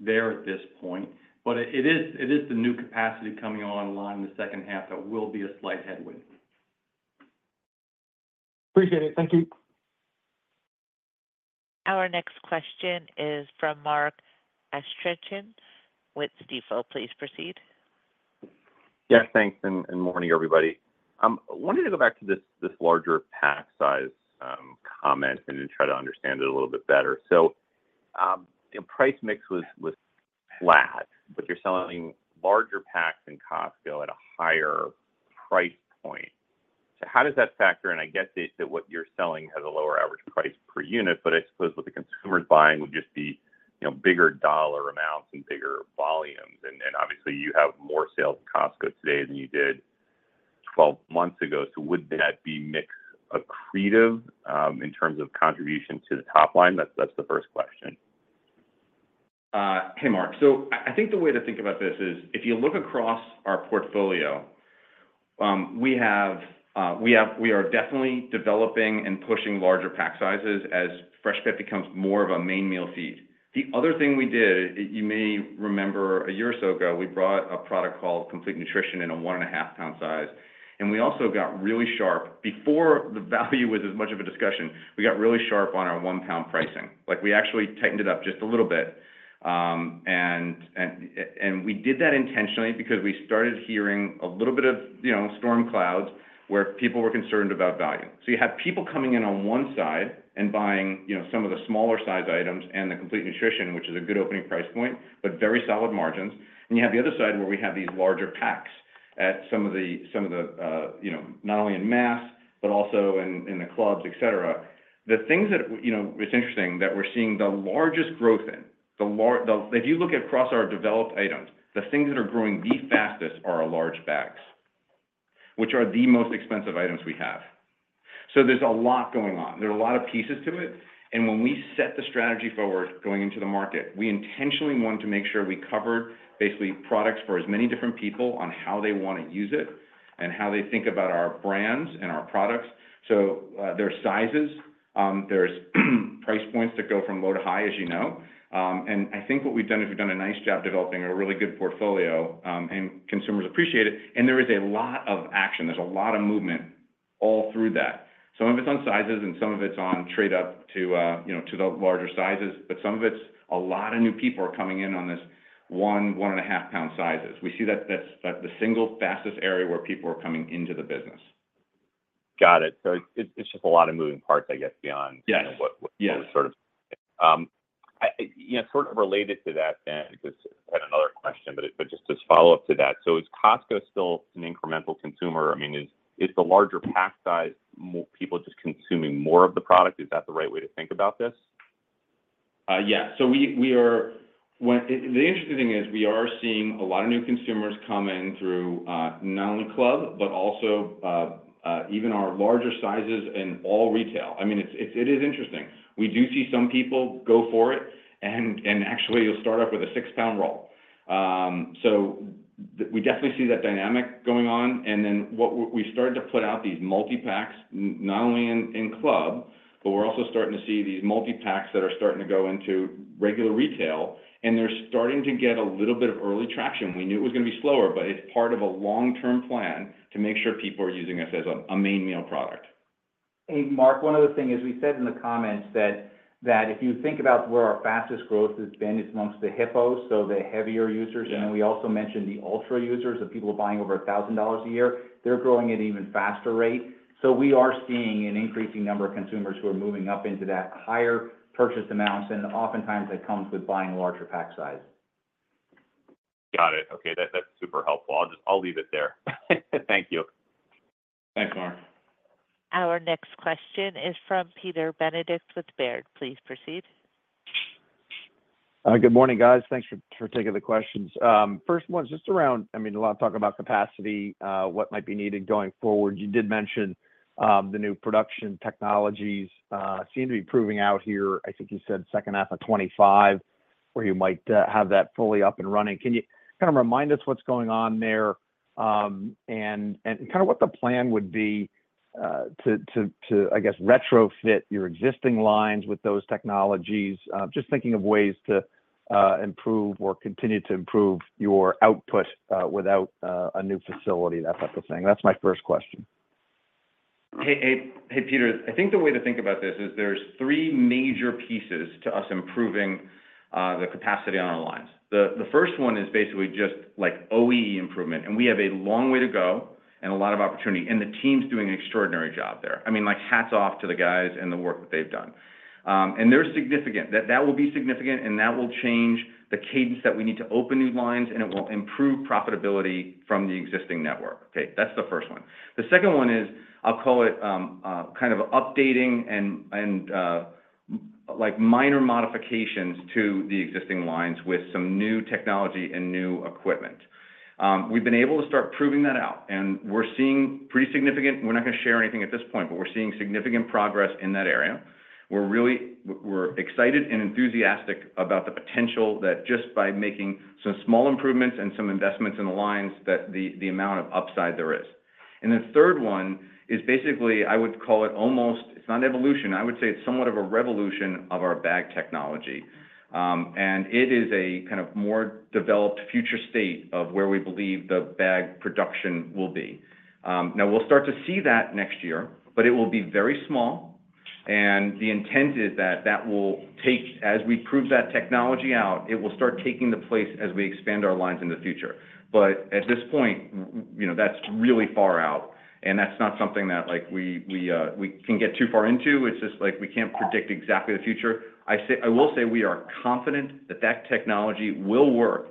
[SPEAKER 4] there at this point. But it is the new capacity coming online in the second half that will be a slight headwind.
[SPEAKER 8] Appreciate it. Thank you.
[SPEAKER 1] Our next question is from Mark Astrachan with Stifel. Please proceed.
[SPEAKER 10] Yes. Thanks and good morning, everybody. I wanted to go back to this larger pack size comment and try to understand it a little bit better. So price mix was flat, but you're selling larger packs in Costco at a higher price point. So how does that factor? I get that what you're selling has a lower average price per unit, but I suppose what the consumer's buying would just be bigger dollar amounts and bigger volumes. And obviously, you have more sales in Costco today than you did 12 months ago. So would that be mixed accretive in terms of contribution to the top line? That's the first question.
[SPEAKER 9] Hey, Mark. So I think the way to think about this is if you look across our portfolio, we are definitely developing and pushing larger pack sizes as Freshpet becomes more of a main meal feed. The other thing we did, you may remember a year or so ago, we brought a product called Complete Nutrition in a 1.5 lbs size. And we also got really sharp before the value was as much of a discussion. We got really sharp on our 1-lbs pricing. We actually tightened it up just a little bit. We did that intentionally because we started hearing a little bit of storm clouds where people were concerned about value. You have people coming in on one side and buying some of the smaller-sized items and the Complete Nutrition, which is a good opening price point, but very solid margins. You have the other side where we have these larger packs at some of the not only in mass, but also in the clubs, etc. The things that it's interesting that we're seeing the largest growth in. If you look at across our developed items, the things that are growing the fastest are large bags, which are the most expensive items we have. There's a lot going on. There are a lot of pieces to it. When we set the strategy forward going into the market, we intentionally want to make sure we cover basically products for as many different people on how they want to use it and how they think about our brands and our products. So there are sizes. There are price points that go from low to high, as you know. And I think what we've done is we've done a nice job developing a really good portfolio, and consumers appreciate it. And there is a lot of action. There's a lot of movement all through that. Some of it's on sizes, and some of it's on trade-up to the larger sizes. But some of it's a lot of new people are coming in on this 1, 1.5-lbs sizes. We see that's the single fastest area where people are coming into the business.
[SPEAKER 10] Got it. So it's just a lot of moving parts, I guess, beyond what we're sort of related to that then because I had another question, but just to follow up to that. So is Costco still an incremental consumer? I mean, is the larger pack size people just consuming more of the product? Is that the right way to think about this?
[SPEAKER 9] Yeah. So the interesting thing is we are seeing a lot of new consumers come in through not only club, but also even our larger sizes in all retail. I mean, it is interesting. We do see some people go for it, and actually, you'll start off with a 6-lbs roll. So we definitely see that dynamic going on. And then we started to put out these multi-packs, not only in club, but we're also starting to see these multi-packs that are starting to go into regular retail, and they're starting to get a little bit of early traction. We knew it was going to be slower, but it's part of a long-term plan to make sure people are using us as a main meal product.
[SPEAKER 3] Hey, Mark, one other thing is we said in the comments that if you think about where our fastest growth has been, it's amongst the HiPOs, so the heavier users. And then we also mentioned the Ultra users, the people buying over $1,000 a year. They're growing at an even faster rate. So we are seeing an increasing number of consumers who are moving up into that higher purchase amounts, and oftentimes that comes with buying a larger pack size.
[SPEAKER 10] Got it. Okay. That's super helpful. I'll leave it there. Thank you.
[SPEAKER 3] Thanks, Mark.
[SPEAKER 1] Our next question is from Peter Benedict with Baird. Please proceed.
[SPEAKER 11] Good morning, guys. Thanks for taking the questions. First one is just around, I mean, a lot of talk about capacity, what might be needed going forward. You did mention the new production technologies seem to be proving out here. I think you said second half of 2025 where you might have that fully up and running. Can you kind of remind us what's going on there and kind of what the plan would be to, I guess, retrofit your existing lines with those technologies? Just thinking of ways to improve or continue to improve your output without a new facility, that type of thing. That's my first question.
[SPEAKER 9] Hey, Peter. I think the way to think about this is there's three major pieces to us improving the capacity on our lines. The first one is basically just OEE improvement. We have a long way to go and a lot of opportunity. The team's doing an extraordinary job there. I mean, hats off to the guys and the work that they've done. That will be significant, and that will change the cadence that we need to open new lines, and it will improve profitability from the existing network. Okay. That's the first one. The second one is I'll call it kind of updating and minor modifications to the existing lines with some new technology and new equipment. We've been able to start proving that out, and we're seeing pretty significant, we're not going to share anything at this point, but we're seeing significant progress in that area. We're excited and enthusiastic about the potential that just by making some small improvements and some investments in the lines, that the amount of upside there is. The third one is basically, I would call it almost, it's not an evolution. I would say it's somewhat of a revolution of our bag technology. And it is a kind of more developed future state of where we believe the bag production will be. Now, we'll start to see that next year, but it will be very small. And the intent is that that will take, as we prove that technology out, it will start taking the place as we expand our lines in the future. But at this point, that's really far out. And that's not something that we can get too far into. It's just like we can't predict exactly the future. I will say we are confident that that technology will work.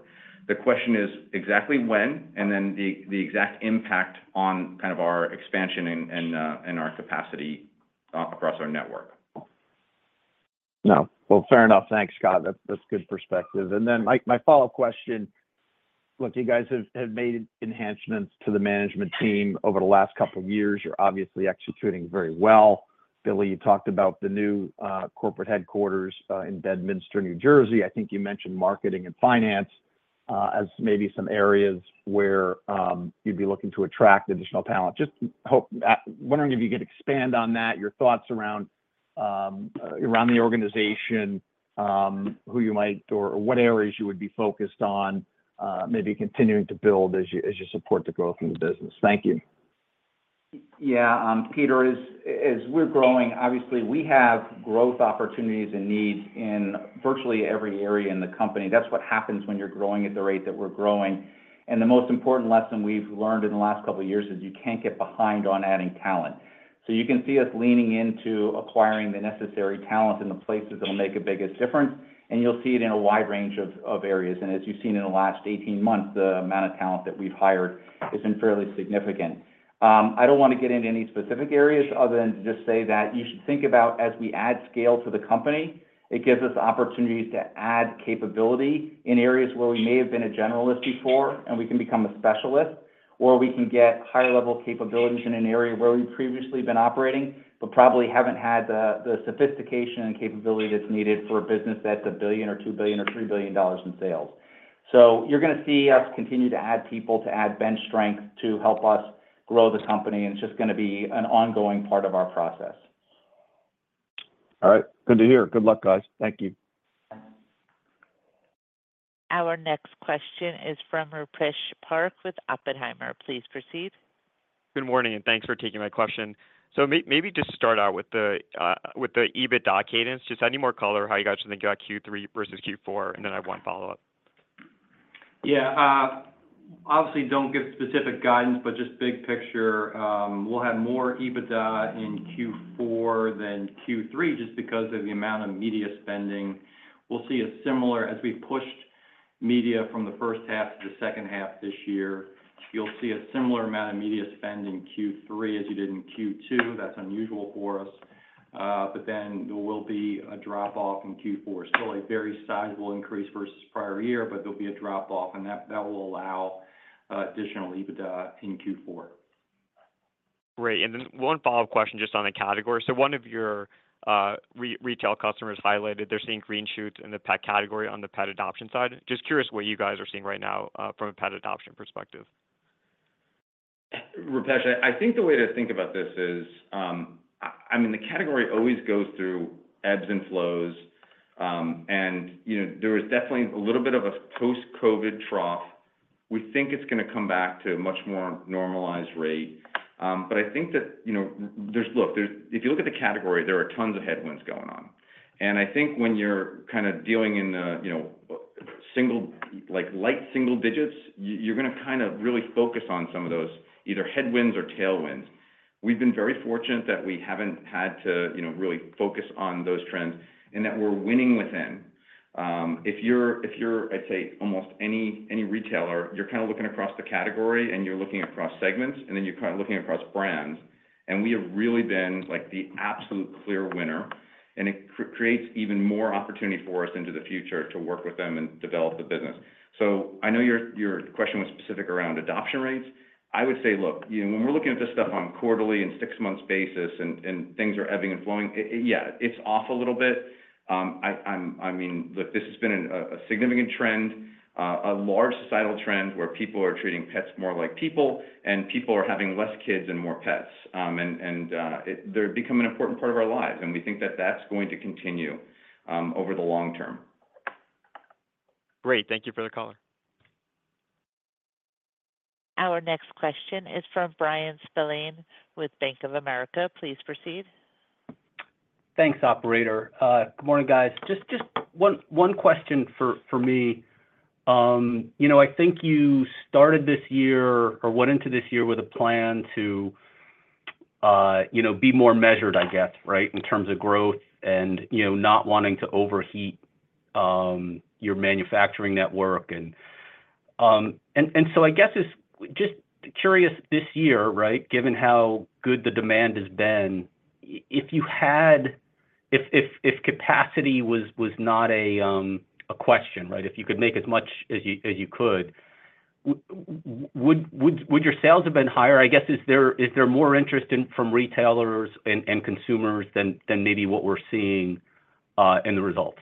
[SPEAKER 9] The question is exactly when and then the exact impact on kind of our expansion and our capacity across our network.
[SPEAKER 11] No. Well, fair enough. Thanks, Scott. That's good perspective. And then my follow-up question, look, you guys have made enhancements to the management team over the last couple of years. You're obviously executing very well. Billy, you talked about the new corporate headquarters in Bedminster, New Jersey. I think you mentioned marketing and finance as maybe some areas where you'd be looking to attract additional talent. Just wondering if you could expand on that, your thoughts around the organization, who you might or what areas you would be focused on, maybe continuing to build as you support the growth in the business. Thank you.
[SPEAKER 3] Yeah. Peter, as we're growing, obviously, we have growth opportunities and needs in virtually every area in the company. That's what happens when you're growing at the rate that we're growing. And the most important lesson we've learned in the last couple of years is you can't get behind on adding talent. So you can see us leaning into acquiring the necessary talent in the places that will make the biggest difference. And you'll see it in a wide range of areas. And as you've seen in the last 18 months, the amount of talent that we've hired has been fairly significant. I don't want to get into any specific areas other than to just say that you should think about as we add scale to the company, it gives us opportunities to add capability in areas where we may have been a generalist before, and we can become a specialist, or we can get higher-level capabilities in an area where we've previously been operating but probably haven't had the sophistication and capability that's needed for a business that's $1 billion or $2 billion or $3 billion dollars in sales. So you're going to see us continue to add people to add bench strength to help us grow the company. And it's just going to be an ongoing part of our process.
[SPEAKER 11] All right. Good to hear. Good luck, guys. Thank you.
[SPEAKER 3] Thanks.
[SPEAKER 1] Our next question is from Rupesh Parikh with Oppenheimer. Please proceed.
[SPEAKER 12] Good morning, and thanks for taking my question. So maybe just start out with the EBITDA cadence. Just how do you give more color on how you guys are thinking about Q3 versus Q4? And then I have one follow-up.
[SPEAKER 4] Yeah. Obviously, don't give specific guidance, but just big picture. We'll have more EBITDA in Q4 than Q3 just because of the amount of media spending. We'll see a similar, as we pushed media from the first half to the second half this year, you'll see a similar amount of media spend in Q3 as you did in Q2. That's unusual for us. But then there will be a drop-off in Q4. Still a very sizable increase versus prior year, but there'll be a drop-off. And that will allow additional EBITDA in Q4.
[SPEAKER 12] Great. And then one follow-up question just on the category. So one of your retail customers highlighted they're seeing green shoots in the pet category on the pet adoption side. Just curious what you guys are seeing right now from a pet adoption perspective.
[SPEAKER 9] Rupesh, I think the way to think about this is, I mean, the category always goes through ebbs and flows. And there was definitely a little bit of a post-COVID trough. We think it's going to come back to a much more normalized rate. But I think that, look, if you look at the category, there are tons of headwinds going on. And I think when you're kind of dealing in light single digits, you're going to kind of really focus on some of those either headwinds or tailwinds. We've been very fortunate that we haven't had to really focus on those trends and that we're winning with them. If you're, I'd say, almost any retailer, you're kind of looking across the category and you're looking across segments, and then you're kind of looking across brands. We have really been the absolute clear winner. It creates even more opportunity for us into the future to work with them and develop the business. So I know your question was specific around adoption rates. I would say, look, when we're looking at this stuff on quarterly and six-month basis and things are ebbing and flowing, yeah, it's off a little bit. I mean, look, this has been a significant trend, a large societal trend where people are treating pets more like people, and people are having less kids and more pets. They're becoming an important part of our lives. We think that that's going to continue over the long term.
[SPEAKER 12] Great. Thank you for the color.
[SPEAKER 1] Our next question is from Bryan Spillane with Bank of America. Please proceed.
[SPEAKER 13] Thanks, operator. Good morning, guys. Just one question for me. I think you started this year or went into this year with a plan to be more measured, I guess, right, in terms of growth and not wanting to overheat your manufacturing network. And so I guess just curious this year, right, given how good the demand has been, if capacity was not a question, right, if you could make as much as you could, would your sales have been higher? I guess is there more interest from retailers and consumers than maybe what we're seeing in the results?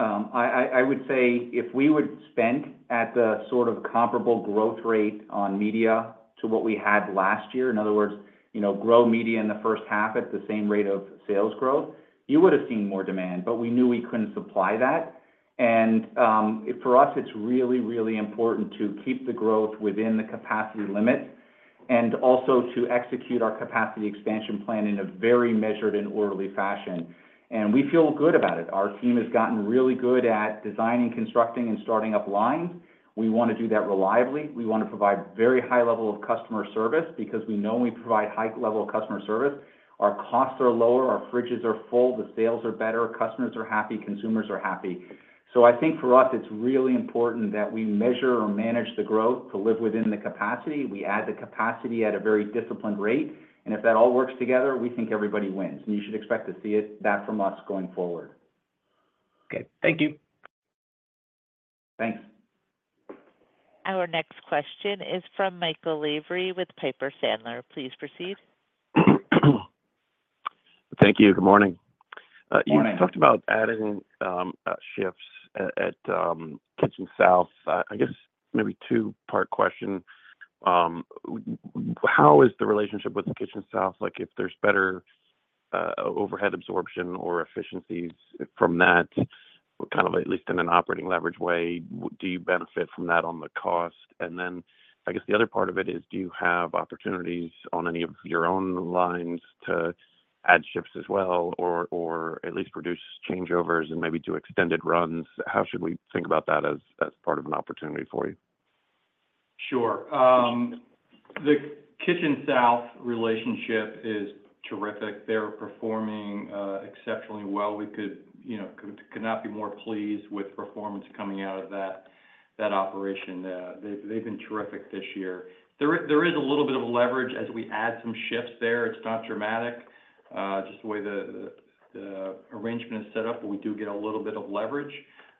[SPEAKER 3] I would say if we would spend at the sort of comparable growth rate on media to what we had last year, in other words, grow media in the first half at the same rate of sales growth, you would have seen more demand. But we knew we couldn't supply that. And for us, it's really, really important to keep the growth within the capacity limit and also to execute our capacity expansion plan in a very measured and orderly fashion. And we feel good about it. Our team has gotten really good at designing, constructing, and starting up lines. We want to do that reliably. We want to provide very high-level customer service because we know we provide high-level customer service. Our costs are lower. Our fridges are full. The sales are better. Customers are happy. Consumers are happy. So I think for us, it's really important that we measure or manage the growth to live within the capacity. We add the capacity at a very disciplined rate. And if that all works together, we think everybody wins. And you should expect to see that from us going forward.
[SPEAKER 13] Okay. Thank you.
[SPEAKER 3] Thanks.
[SPEAKER 1] Our next question is from Michael Lavery with Piper Sandler. Please proceed.
[SPEAKER 14] Thank you. Good morning. Good morning. You talked about adding shifts at Kitchen South. I guess maybe two-part question. How is the relationship with Kitchen South? If there's better overhead absorption or efficiencies from that, kind of at least in an operating leverage way, do you benefit from that on the cost? And then I guess the other part of it is, do you have opportunities on any of your own lines to add shifts as well or at least reduce changeovers and maybe do extended runs? How should we think about that as part of an opportunity for you?
[SPEAKER 6] Sure. The Kitchen South relationship is terrific. They're performing exceptionally well. We could not be more pleased with performance coming out of that operation. They've been terrific this year. There is a little bit of leverage as we add some shifts there. It's not dramatic, just the way the arrangement is set up. But we do get a little bit of leverage.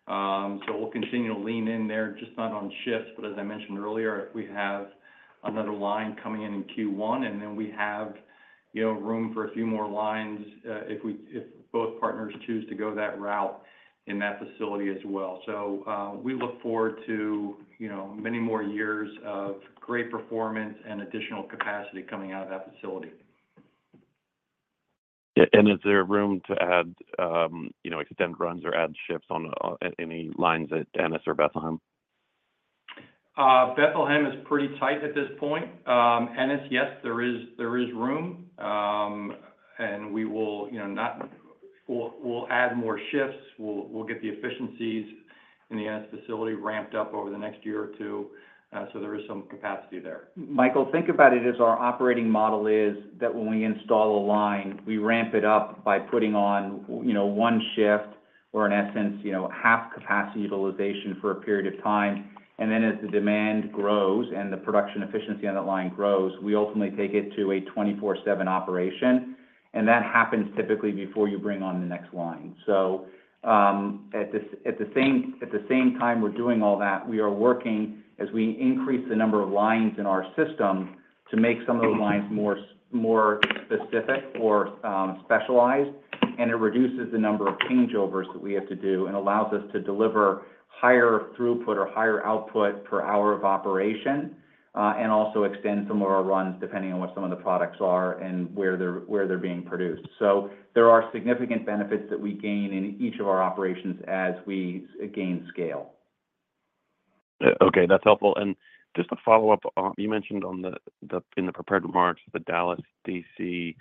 [SPEAKER 6] So we'll continue to lean in there, just not on shifts. But as I mentioned earlier, we have another line coming in in Q1. Then we have room for a few more lines if both partners choose to go that route in that facility as well. So we look forward to many more years of great performance and additional capacity coming out of that facility.
[SPEAKER 14] Is there room to add extended runs or add shifts on any lines at Ennis or Bethlehem?
[SPEAKER 9] Bethlehem is pretty tight at this point. Ennis, yes, there is room. We will add more shifts. We'll get the efficiencies in the Ennis facility ramped up over the next year or two. So there is some capacity there. Michael, think about it as our operating model is that when we install a line, we ramp it up by putting on one shift or, in essence, half capacity utilization for a period of time, then as the demand grows and the production efficiency on that line grows, we ultimately take it to a 24/7 operation. That happens typically before you bring on the next line. At the same time we're doing all that, we are working as we increase the number of lines in our system to make some of those lines more specific or specialized. It reduces the number of changeovers that we have to do and allows us to deliver higher throughput or higher output per hour of operation and also extend some of our runs depending on what some of the products are and where they're being produced. There are significant benefits that we gain in each of our operations as we gain scale.
[SPEAKER 14] Okay. That's helpful. Just to follow up, you mentioned in the prepared remarks the Dallas DC.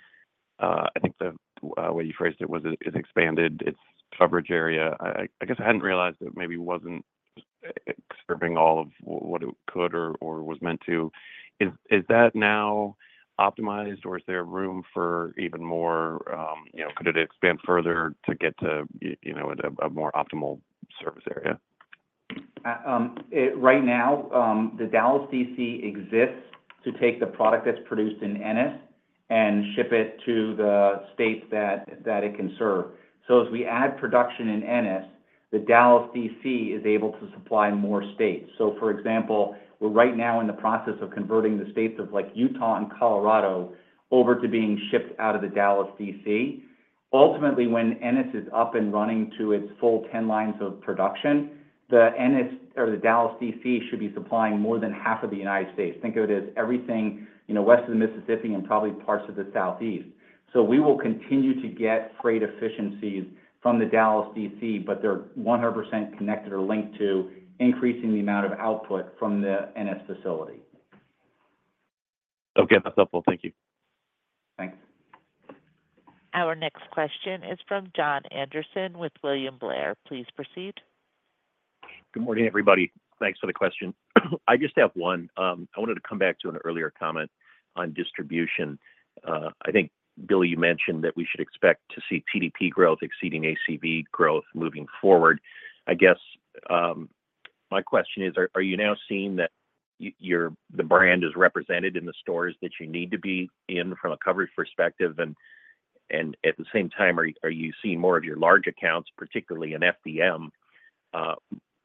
[SPEAKER 14] I think the way you phrased it was it's expanded its coverage area. I guess I hadn't realized that maybe it wasn't serving all of what it could or was meant to. Is that now optimized? Or is there room for even more? Could it expand further to get to a more optimal service area?
[SPEAKER 3] Right now, the Dallas DC exists to take the product that's produced in Ennis and ship it to the states that it can serve. So as we add production in Ennis, the Dallas DC is able to supply more states. So for example, we're right now in the process of converting the states of Utah and Colorado over to being shipped out of the Dallas DC. Ultimately, when Ennis is up and running to its full 10 lines of production, the Dallas DC should be supplying more than half of the United States. Think of it as everything west of the Mississippi and probably parts of the Southeast. So we will continue to get freight efficiencies from the Dallas DC, but they're 100% connected or linked to increasing the amount of output from the Ennis facility.
[SPEAKER 14] Okay. That's helpful. Thank you.
[SPEAKER 3] Thanks.
[SPEAKER 1] Our next question is from Jon Andersen with William Blair. Please proceed.
[SPEAKER 15] Good morning, everybody. Thanks for the question. I just have one. I wanted to come back to an earlier comment on distribution. I think, Billy, you mentioned that we should expect to see TDP growth exceeding ACV growth moving forward. I guess my question is, are you now seeing that the brand is represented in the stores that you need to be in from a coverage perspective? And at the same time, are you seeing more of your large accounts, particularly in FDM,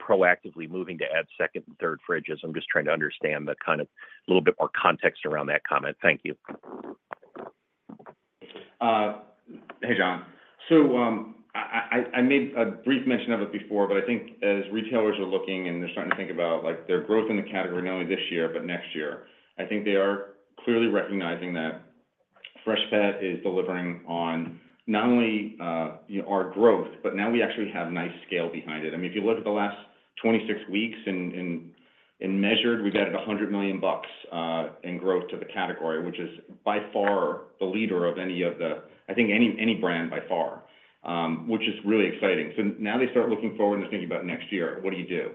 [SPEAKER 15] proactively moving to add second and third fridges? I'm just trying to understand the kind of a little bit more context around that comment. Thank you.
[SPEAKER 9] Hey, Jon. So I made a brief mention of it before, but I think as retailers are looking and they're starting to think about their growth in the category not only this year but next year, I think they are clearly recognizing that Freshpet is delivering on not only our growth, but now we actually have nice scale behind it. I mean, if you look at the last 26 weeks in measured, we've added $100 million in growth to the category, which is by far the leader of any of the, I think, any brand by far, which is really exciting. So now they start looking forward and they're thinking about next year, what do you do?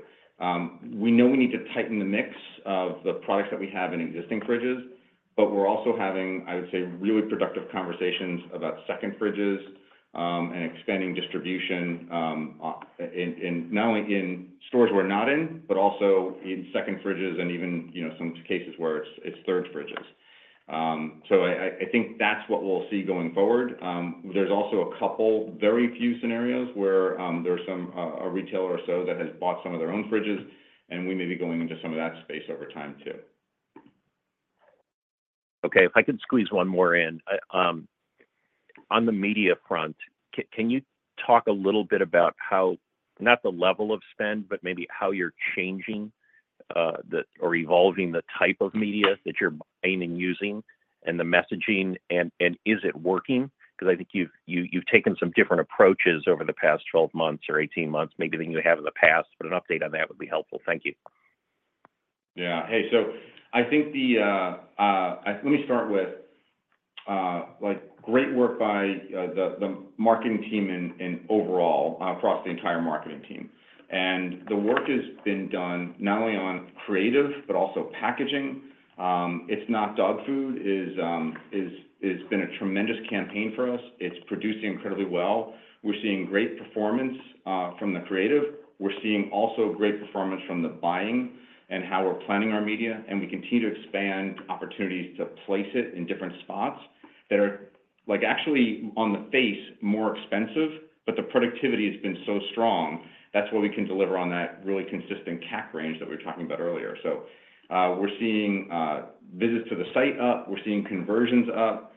[SPEAKER 9] We know we need to tighten the mix of the products that we have in existing fridges, but we're also having, I would say, really productive conversations about second fridges and expanding distribution not only in stores we're not in, but also in second fridges and even some cases where it's third fridges. So I think that's what we'll see going forward. There's also a couple, very few scenarios where there's a retailer or so that has bought some of their own fridges, and we may be going into some of that space over time too.
[SPEAKER 15] Okay. If I could squeeze one more in. On the media front, can you talk a little bit about how, not the level of spend, but maybe how you're changing or evolving the type of media that you're aiming using and the messaging, and is it working? Because I think you've taken some different approaches over the past 12 months or 18 months, maybe than you have in the past, but an update on that would be helpful. Thank you.
[SPEAKER 9] Yeah. Hey, so I think, let me start with great work by the marketing team and overall across the entire marketing team. And the work has been done not only on creative but also packaging. It's Not Dog Food has been a tremendous campaign for us. It's producing incredibly well. We're seeing great performance from the creative. We're seeing also great performance from the buying and how we're planning our media. And we continue to expand opportunities to place it in different spots that are actually on the face more expensive, but the productivity has been so strong. That's why we can deliver on that really consistent CAC range that we were talking about earlier. So we're seeing visits to the site up. We're seeing conversions up.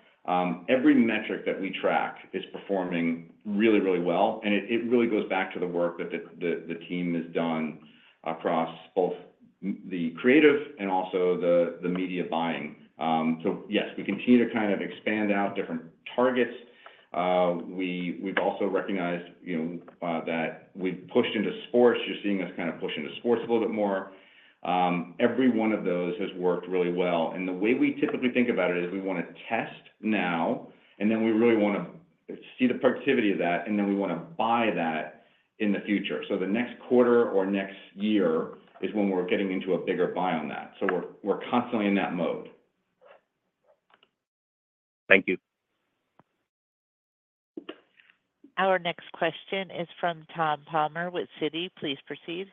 [SPEAKER 9] Every metric that we track is performing really, really well. And it really goes back to the work that the team has done across both the creative and also the media buying. So yes, we continue to kind of expand out different targets. We've also recognized that we've pushed into sports. You're seeing us kind of push into sports a little bit more. Every one of those has worked really well. And the way we typically think about it is we want to test now, and then we really want to see the productivity of that, and then we want to buy that in the future. So the next quarter or next year is when we're getting into a bigger buy on that. So we're constantly in that mode.
[SPEAKER 15] Thank you.
[SPEAKER 1] Our next question is from Tom Palmer with Citi. Please proceed.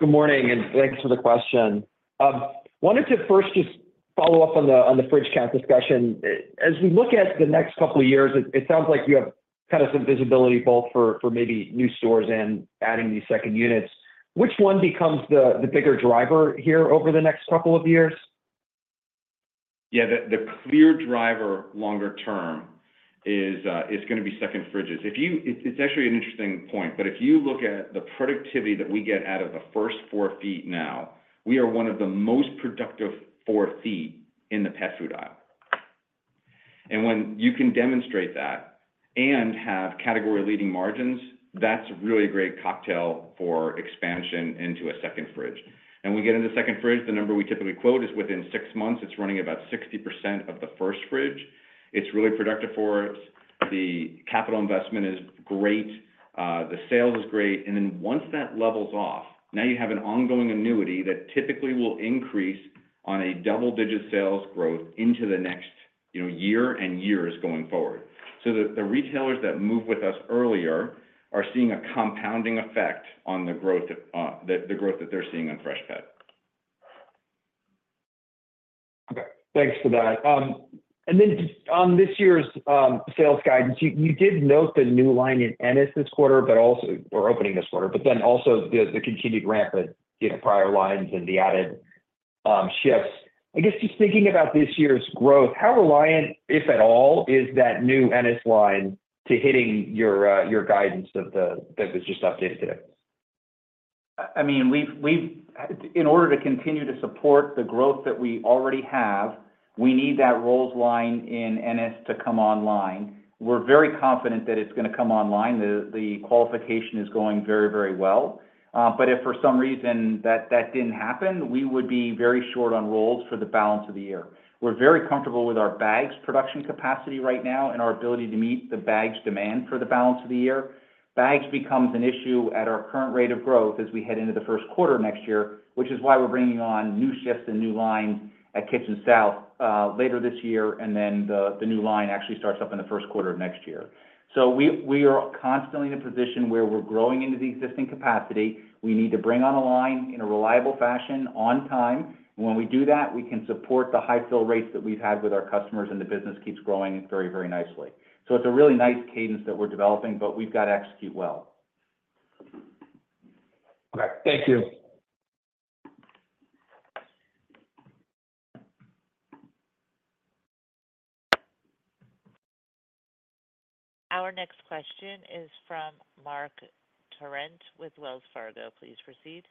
[SPEAKER 16] Good morning, and thanks for the question. I wanted to first just follow up on the fridge count discussion. As we look at the next couple of years, it sounds like you have kind of some visibility both for maybe new stores and adding these second units. Which one becomes the bigger driver here over the next couple of years?
[SPEAKER 9] Yeah. The clear driver longer term is going to be second fridges. It's actually an interesting point. But if you look at the productivity that we get out of the first 4 ft now, we are one of the most productive 4 ft in the pet food aisle. And when you can demonstrate that and have category-leading margins, that's really a great cocktail for expansion into a second fridge. And when we get into second fridge, the number we typically quote is within six months. It's running about 60% of the first fridge. It's really productive for us. The capital investment is great. The sales is great. And then once that levels off, now you have an ongoing annuity that typically will increase on a double-digit sales growth into the next year and years going forward. So the retailers that move with us earlier are seeing a compounding effect on the growth that they're seeing on Freshpet.
[SPEAKER 16] Okay. Thanks for that. And then on this year's sales guidance, you did note the new line in Ennis this quarter or opening this quarter, but then also the continued ramp at prior lines and the added shifts. I guess just thinking about this year's growth, how reliant, if at all, is that new Ennis line to hitting your guidance that was just updated today?
[SPEAKER 3] I mean, in order to continue to support the growth that we already have, we need that rolls line in Ennis to come online. We're very confident that it's going to come online. The qualification is going very, very well. But if for some reason that didn't happen, we would be very short on rolls for the balance of the year. We're very comfortable with our bags production capacity right now and our ability to meet the bags demand for the balance of the year. Bags becomes an issue at our current rate of growth as we head into the first quarter of next year, which is why we're bringing on new shifts and new lines at Kitchen South later this year, and then the new line actually starts up in the first quarter of next year. So we are constantly in a position where we're growing into the existing capacity. We need to bring on a line in a reliable fashion on time. And when we do that, we can support the high fill rates that we've had with our customers, and the business keeps growing very, very nicely. So it's a really nice cadence that we're developing, but we've got to execute well.
[SPEAKER 16] Okay. Thank you.
[SPEAKER 1] Our next question is from Marc Torrente with Wells Fargo. Please proceed.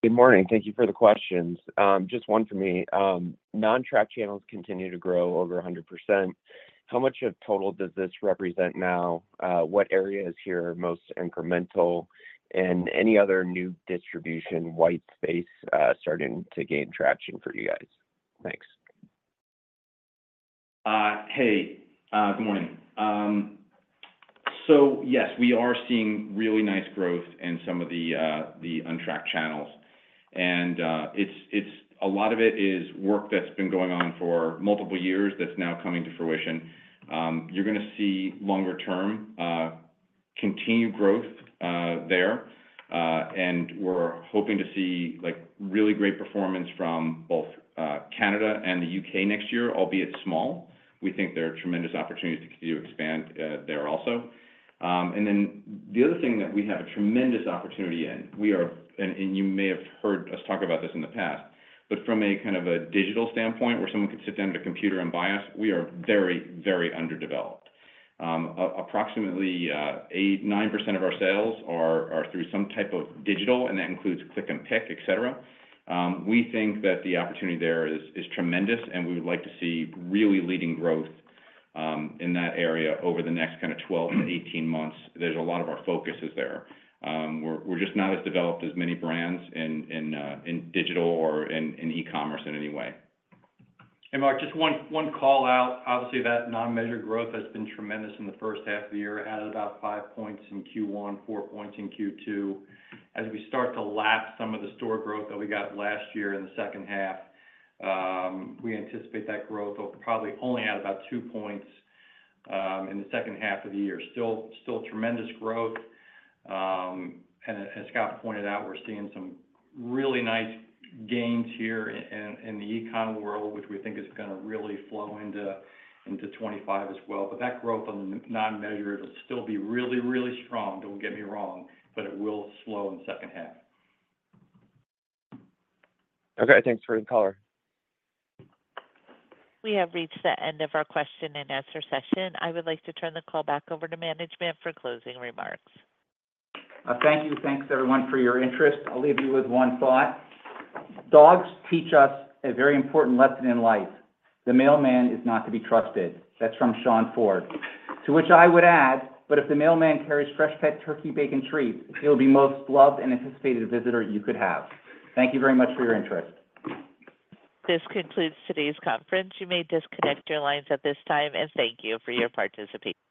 [SPEAKER 17] Good morning. Thank you for the questions. Just one for me. Non-tracked channels continue to grow over 100%. How much of total does this represent now? What areas here are most incremental? And any other new distribution white space starting to gain traction for you guys? Thanks.
[SPEAKER 9] Hey. Good morning. So yes, we are seeing really nice growth in some of the untracked channels. And a lot of it is work that's been going on for multiple years that's now coming to fruition. You're going to see longer-term continued growth there. And we're hoping to see really great performance from both Canada and the U.K. next year, albeit small. We think there are tremendous opportunities to continue to expand there also. And then the other thing that we have a tremendous opportunity in, and you may have heard us talk about this in the past, but from a kind of a digital standpoint where someone could sit down at a computer and buy us, we are very, very underdeveloped. Approximately 9% of our sales are through some type of digital, and that includes click and pick, etc. We think that the opportunity there is tremendous, and we would like to see really leading growth in that area over the next kind of 12-18 months. There's a lot of our focus is there. We're just not as developed as many brands in digital or in e-commerce in any way.
[SPEAKER 4] Hey, Marc, just one call out. Obviously, that non-measured growth has been tremendous in the first half of the year. It added about 5 points in Q1, 4 points in Q2. As we start to lap some of the store growth that we got last year in the second half, we anticipate that growth will probably only add about 2 points in the second half of the year. Still tremendous growth. And as Scott pointed out, we're seeing some really nice gains here in the e-com world, which we think is going to really flow into 2025 as well. But that growth on the non-measured will still be really, really strong. Don't get me wrong, but it will slow in the second half.
[SPEAKER 17] Okay. Thanks for the color.
[SPEAKER 1] We have reached the end of our question-and-answer session. I would like to turn the call back over to management for closing remarks.
[SPEAKER 3] Thank you. Thanks, everyone, for your interest. I'll leave you with one thought. Dogs teach us a very important lesson in life. The mailman is not to be trusted. That's from Sian Ford, to which I would add, "But if the mailman carries Freshpet Turkey Bacon Treats, he'll be most loved and anticipated visitor you could have." Thank you very much for your interest.
[SPEAKER 1] This concludes today's conference. You may disconnect your lines at this time, and thank you for your participation.